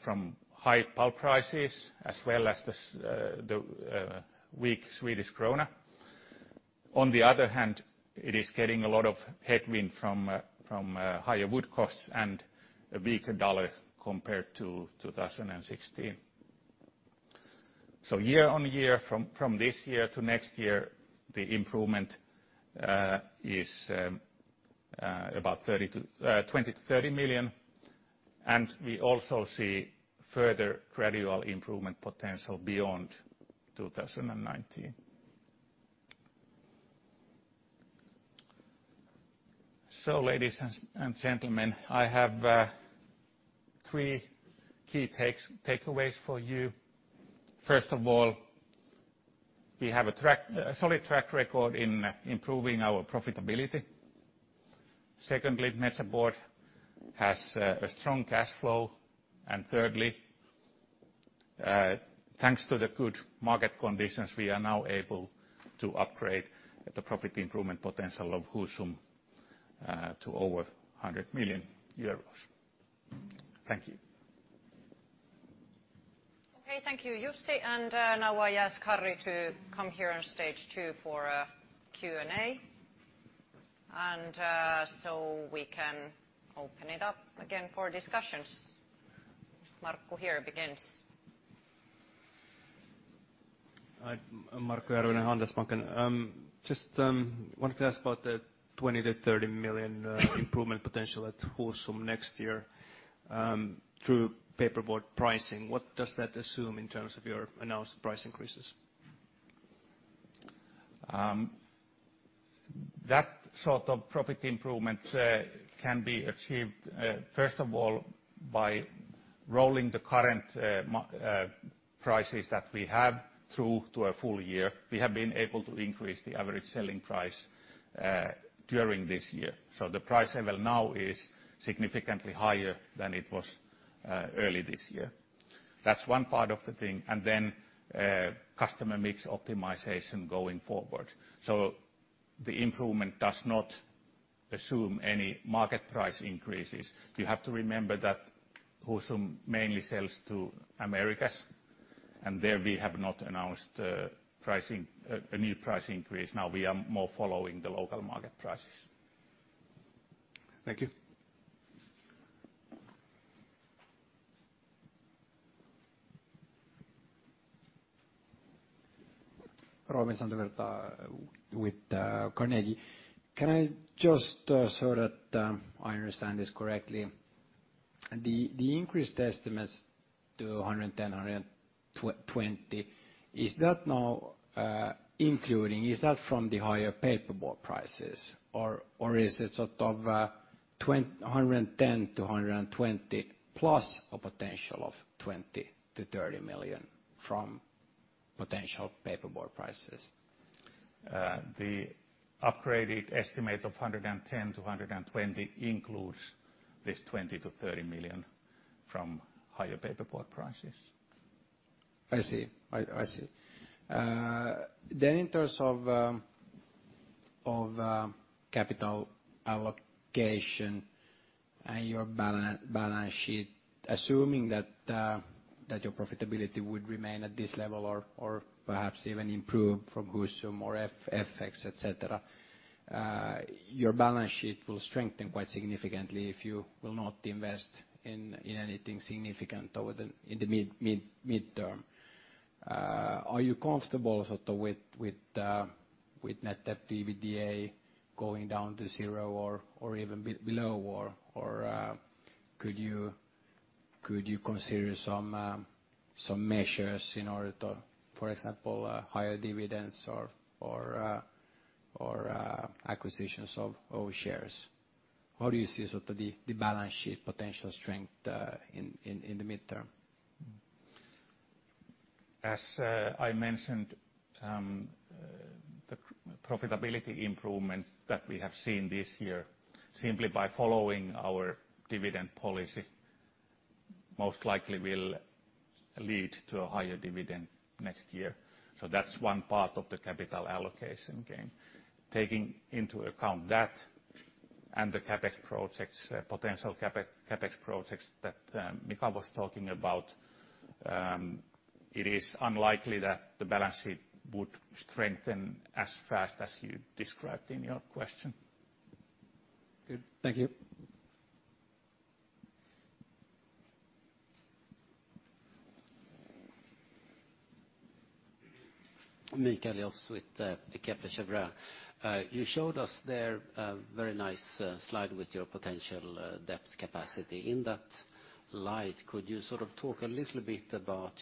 from high pulp prices as well as the weak Swedish krona. On the other hand, it is getting a lot of headwind from higher wood costs and a weaker dollar compared to 2016. Year on year, from this year to next year, the improvement is about 20-30 million. We also see further gradual improvement potential beyond 2019. Ladies and gentlemen, I have three key takeaways for you. First of all, we have a solid track record in improving our profitability. Secondly, Metsä Board has a strong cash flow. Thirdly, thanks to the good market conditions, we are now able to upgrade the profit improvement potential of Husum to over 100 million euros. Thank you. Okay, thank you, Jussi. Now I ask Harri to come here on stage too for a Q&A. We can open it up again for discussions. Markku here begins. Markku Järvinen, Handelsbanken. Just wanted to ask about the 20 million-30 million improvement potential at Husum next year through paperboard pricing. What does that assume in terms of your announced price increases? That sort of profit improvement can be achieved, first of all, by rolling the current prices that we have through to a full year. We have been able to increase the average selling price during this year. So the price level now is significantly higher than it was early this year. That's one part of the thing. And then customer mix optimization going forward. So the improvement does not assume any market price increases. You have to remember that Husum mainly sells to Americas.And there we have not announced a new price increase. Now we are more following the local market prices. Thank you. Robin Santavirta with Carnegie. Can I just, so that I understand this correctly, the increased estimates to 110, 120, is that now including? Is that from the higher paperboard prices? Or is it sort of 110-120 million plus a potential of 20-30 million from potential paperboard prices? The upgraded estimate of 110-120 million includes this 20-30 million from higher paperboard prices. I see. I see. Then in terms of capital allocation and your balance sheet, assuming that your profitability would remain at this level or perhaps even improve from Husum or FX, etc., your balance sheet will strengthen quite significantly if you will not invest in anything significant in the midterm. Are you comfortable with net debt to EBITDA going down to zero or even below? Or could you consider some measures in order to, for example, higher dividends or acquisitions of shares? How do you see sort of the balance sheet potential strength in the midterm? As I mentioned, the profitability improvement that we have seen this year, simply by following our dividend policy, most likely will lead to a higher dividend next year. So that's one part of the capital allocation game. Taking into account that and the CapEx projects, potential CapEx projects that Mika was talking about, it is unlikely that the balance sheet would strengthen as fast as you described in your question. Good. Thank you. Mikael Jåfs with Kepler Chevreux. You showed us there a very nice slide with your potential debt capacity. In that light, could you sort of talk a little bit about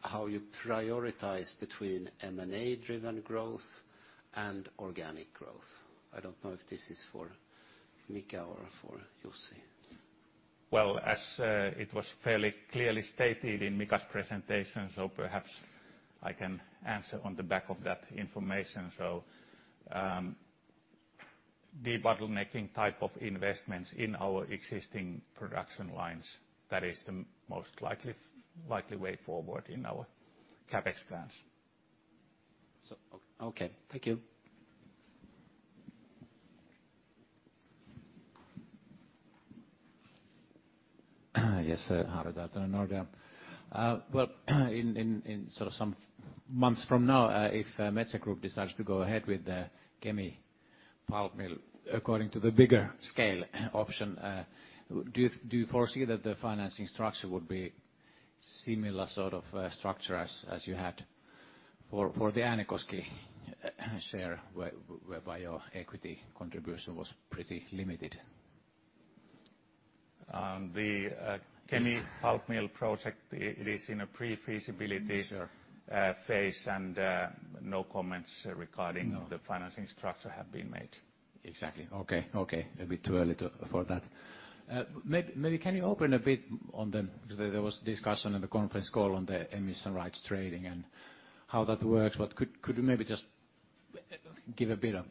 how you prioritize between M&A-driven growth and organic growth? I don't know if this is for Mika or for Jussi. Well, as it was fairly clearly stated in Mika's presentation, so perhaps I can answer on the back of that information. Debottlenecking type of investments in our existing production lines, that is the most likely way forward in our CapEx plans. Okay. Thank you. Yes, Harri Taittunen, Nordea. In sort of some months from now, if Metsä Group decides to go ahead with the Kemi pulp mill according to the bigger scale option, do you foresee that the financing structure would be similar sort of structure as you had for the Äänekoski share where your equity contribution was pretty limited? The Kemi pulp mill project, it is in a pre-feasibility phase and no comments regarding the financing structure have been made. Exactly. Okay. Okay. A bit too early for that. Maybe can you open a bit on the because there was discussion in the conference call on the emission rights trading and how that works. Could you maybe just give a bit of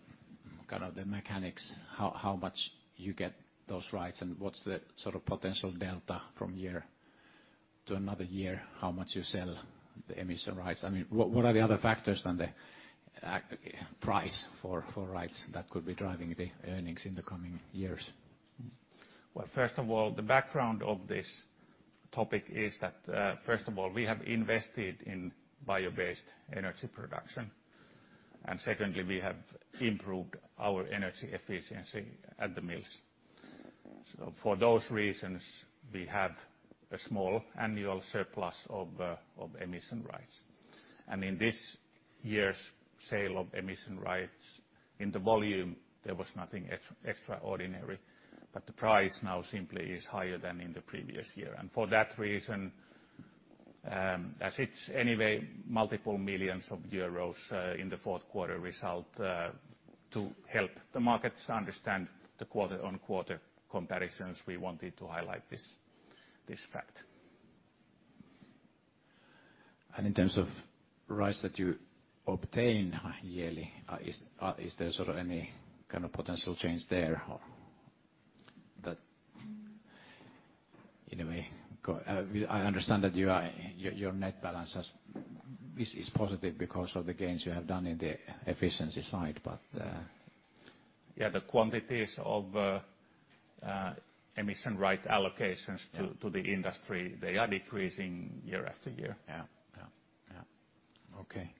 kind of the mechanics, how much you get those rights and what's the sort of potential delta from year to another year, how much you sell the emission rights? I mean, what are the other factors than the price for rights that could be driving the earnings in the coming years? Well, first of all, the background of this topic is that, first of all, we have invested in bio-based energy production. And secondly, we have improved our energy efficiency at the mills. So for those reasons, we have a small annual surplus of emission rights. And in this year's sale of emission rights, in the volume, there was nothing extraordinary. But the price now simply is higher than in the previous year. And for that reason, as it's anyway multiple millions EUR in the fourth quarter result to help the markets understand the quarter-on-quarter comparisons, we wanted to highlight this fact. And in terms of rights that you obtain yearly, is there sort of any kind of potential change there that, in a way, I understand that your net balance is positive because of the gains you have done in the efficiency side, but? Yeah, the quantities of emission right allocations to the industry, they are decreasing year after year. Yeah. Yeah. Yeah. Okay.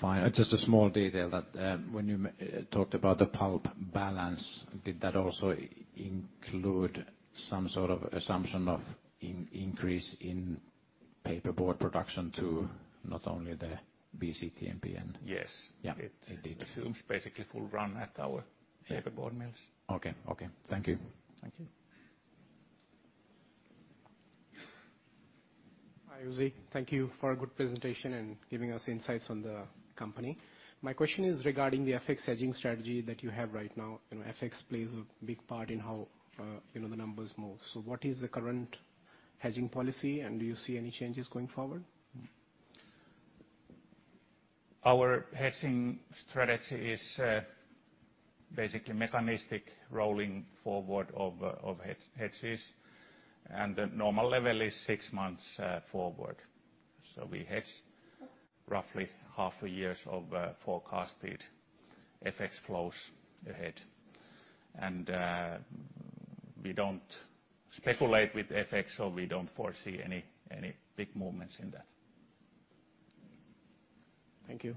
Fine. Just a small detail that when you talked about the pulp balance, did that also include some sort of assumption of increase in paperboard production to not only the BCTMP and? Yes. It assumes basically full run at our paperboard mills. Okay. Okay. Thank you. Thank you. Hi, Jussi. Thank you for a good presentation and giving us insights on the company. My question is regarding the FX hedging strategy that you have right now. FX plays a big part in how the numbers move. So what is the current hedging policy and do you see any changes going forward? Our hedging strategy is basically mechanistic rolling forward of hedges. The normal level is six months forward. So we hedge roughly half a year's of forecasted FX flows ahead. We don't speculate with FX, so we don't foresee any big movements in that. Thank you.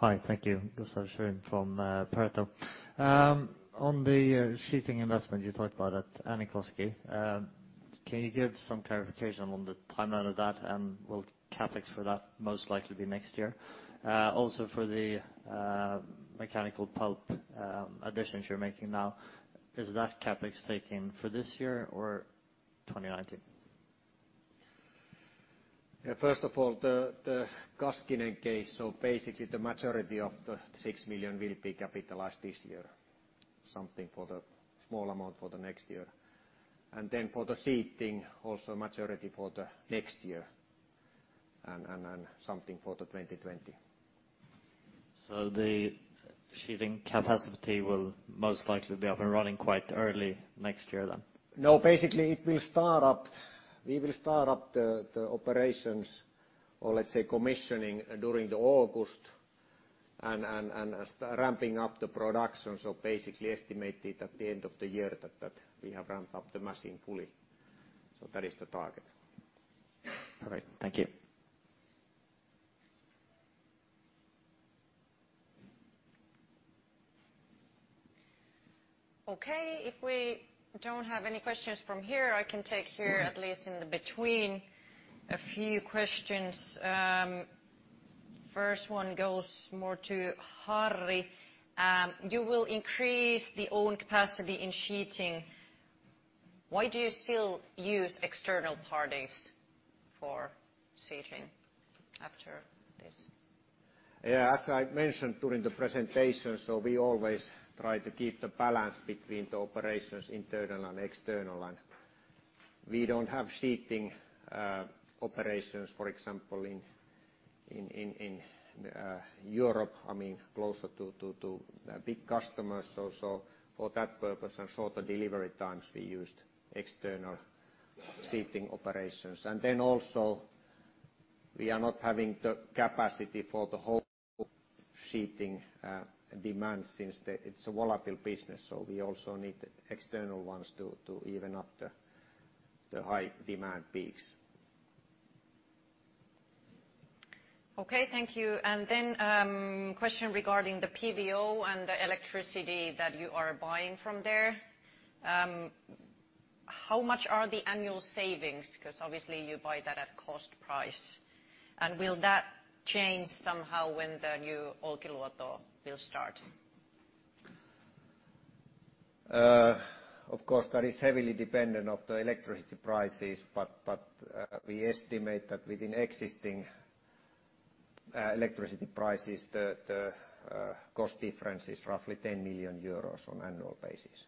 Hi. Thank you, Gustav Sandström from Pareto Securities. On the sheeting investment, you talked about at Äänekoski. Can you give some clarification on the timeline of that? And will CapEx for that most likely be next year? Also for the mechanical pulp additions you're making now, is that CapEx taken for this year or 2019? Yeah. First of all, the Kaskinen case, so basically the majority of 6 million will be capitalized this year. Something for the small amount for the next year. And then for the sheeting, also majority for the next year. And then something for the 2020. So the sheeting capacity will most likely be up and running quite early next year then? No, basically it will start up. We will start up the operations or let's say commissioning during August and ramping up the production. So basically estimated at the end of the year that we have ramped up the machine fully. So that is the target. All right. Thank you. Okay. If we don't have any questions from here, I can take here at least in between a few questions. First one goes more to Harri. You will increase the own capacity in sheeting. Why do you still use external parties for sheeting after this? Yeah. As I mentioned during the presentation, so we always try to keep the balance between the operations internal and external. And we don't have sheeting operations, for example, in Europe, I mean, closer to the big customers. So for that purpose and short delivery times, we used external sheeting operations. And then also we are not having the capacity for the whole sheeting demand since it's a volatile business. So we also need external ones to even up the high demand peaks. Okay. Thank you. And then question regarding the PVO and the electricity that you are buying from there. How much are the annual savings? Because obviously you buy that at cost price. And will that change somehow when the new Olkiluoto will start? Of course, that is heavily dependent on the electricity prices. But we estimate that within existing electricity prices, the cost difference is roughly 10 million euros on annual basis.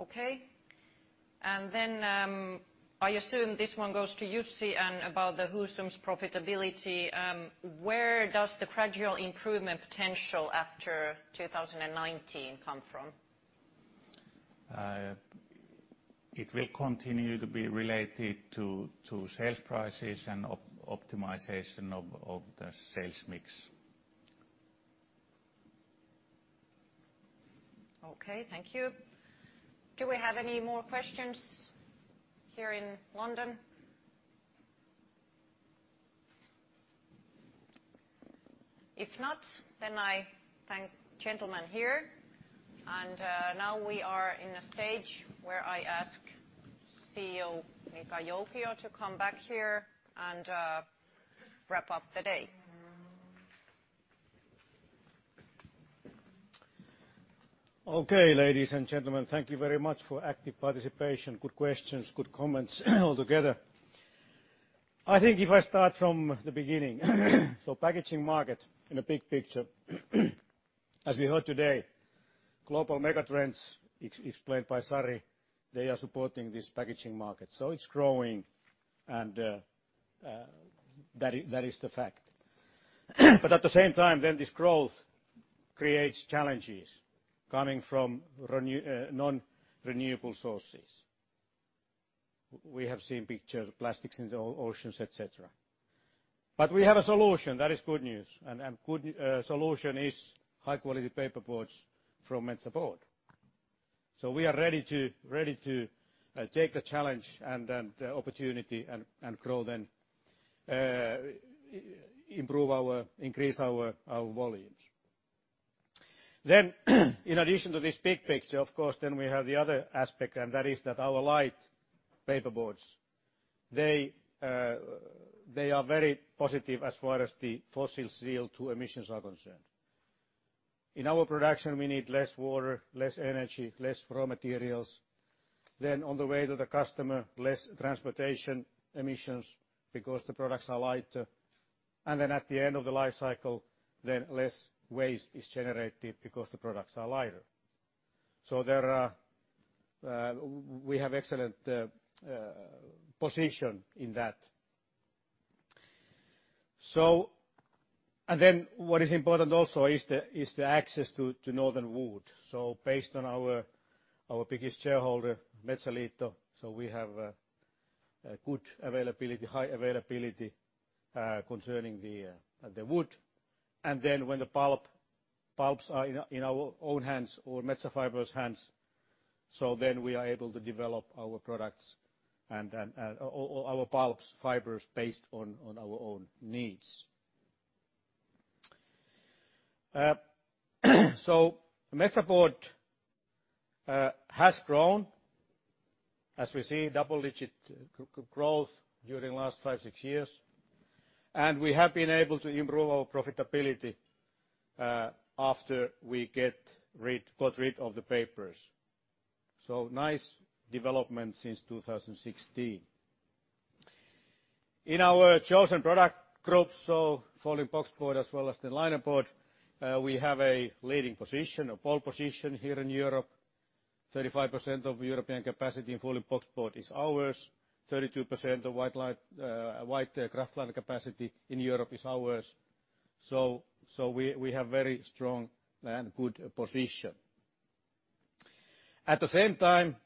Okay. And then I assume this one goes to Jussi and about the Husum's profitability. Where does the gradual improvement potential after 2019 come from? It will continue to be related to sales prices and optimization of the sales mix. Okay. Thank you. Do we have any more questions here in London? If not, then I thank gentlemen here. And now we are in a stage where I ask CEO Mika Joukio to come back here and wrap up the day. Okay, ladies and gentlemen, thank you very much for active participation. Good questions, good comments altogether. I think if I start from the beginning, so packaging market in a big picture, as we heard today, global megatrends explained by Sari, they are supporting this packaging market, so it's growing and that is the fact, but at the same time, then this growth creates challenges coming from non-renewable sources. We have seen pictures of plastics in the oceans, etc., but we have a solution that is good news, and good solution is high-quality paperboards from Metsä Board, so we are ready to take the challenge and the opportunity and grow then, improve our, increase our volumes, then in addition to this big picture, of course, then we have the other aspect, and that is that our light paperboards, they are very positive as far as the fossil CO2 emissions are concerned. In our production, we need less water, less energy, less raw materials, then on the way to the customer, less transportation emissions because the products are lighter, and then at the end of the life cycle, then less waste is generated because the products are lighter, so we have excellent position in that, and then what is important also is the access to northern wood, so based on our biggest shareholder, Metsäliitto, so we have good availability, high availability concerning the wood, and then when the pulps are in our own hands or Metsä Fibre's hands, so then we are able to develop our products and our pulps, fibers based on our own needs, so Metsä Board has grown, as we see, double-digit growth during the last five, six years, and we have been able to improve our profitability after we got rid of the papers. Nice development since 2016. In our chosen product group, Folding Boxboard as well as the linerboard, we have a leading position, a pole position here in Europe. 35% of European capacity in Folding Boxboard is ours. 32% of white kraftliner capacity in Europe is ours. We have very strong and good position. At the same time,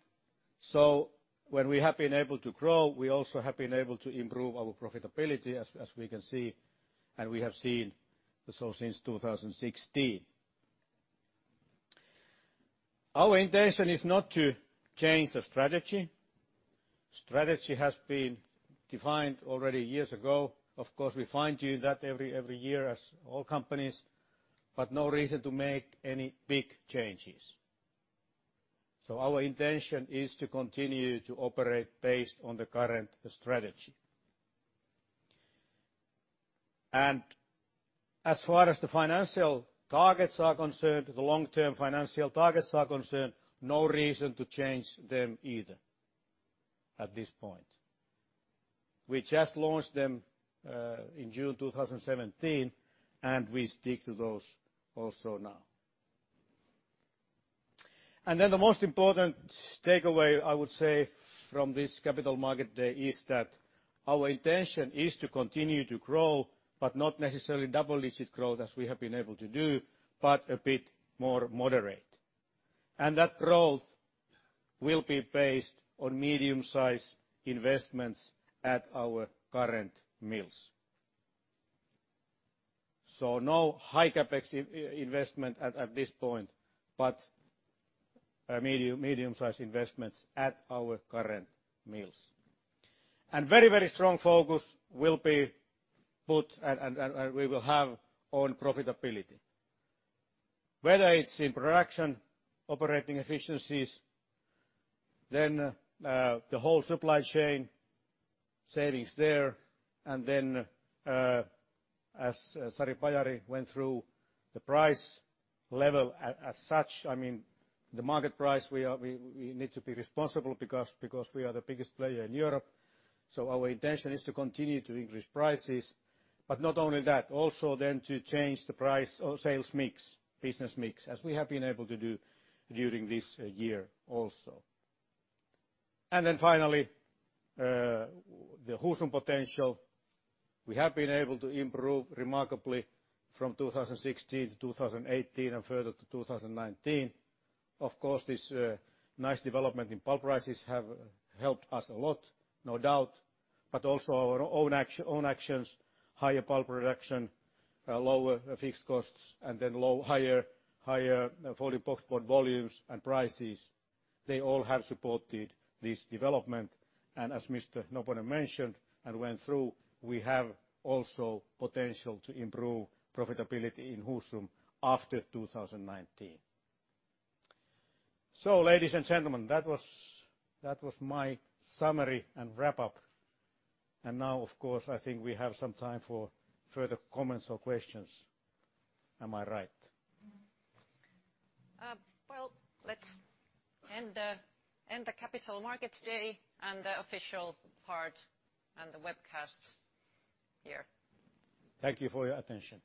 when we have been able to grow, we also have been able to improve our profitability as we can see. We have seen so since 2016. Our intention is not to change the strategy. Strategy has been defined already years ago. Of course, we fine-tune that every year as all companies, but no reason to make any big changes. Our intention is to continue to operate based on the current strategy. As far as the financial targets are concerned, the long-term financial targets are concerned, no reason to change them either at this point. We just launched them in June 2017, and we stick to those also now. And then the most important takeaway I would say from this Capital Markets Day is that our intention is to continue to grow, but not necessarily double-digit growth as we have been able to do, but a bit more moderate. And that growth will be based on medium-sized investments at our current mills. So no high CapEx investment at this point, but medium-sized investments at our current mills. And very, very strong focus will be put, and we will have own profitability. Whether it's in production, operating efficiencies, then the whole supply chain savings there. And then as Sari Pajari went through, the price level as such, I mean, the market price, we need to be responsible because we are the biggest player in Europe. Our intention is to continue to increase prices. But not only that, also then to change the price or sales mix, business mix, as we have been able to do during this year also. And then finally, the Husum potential, we have been able to improve remarkably from 2016 to 2018 and further to 2019. Of course, this nice development in pulp prices has helped us a lot, no doubt. But also our own actions, higher pulp production, lower fixed costs, and then higher Folding Boxboard volumes and prices, they all have supported this development. And as Mr. Noponen mentioned and went through, we have also potential to improve profitability in Husum after 2019. So, ladies and gentlemen, that was my summary and wrap-up. And now, of course, I think we have some time for further comments or questions. Am I right? Well, let's end the Capital Markets Day and the official part and the webcast here. Thank you for your attention.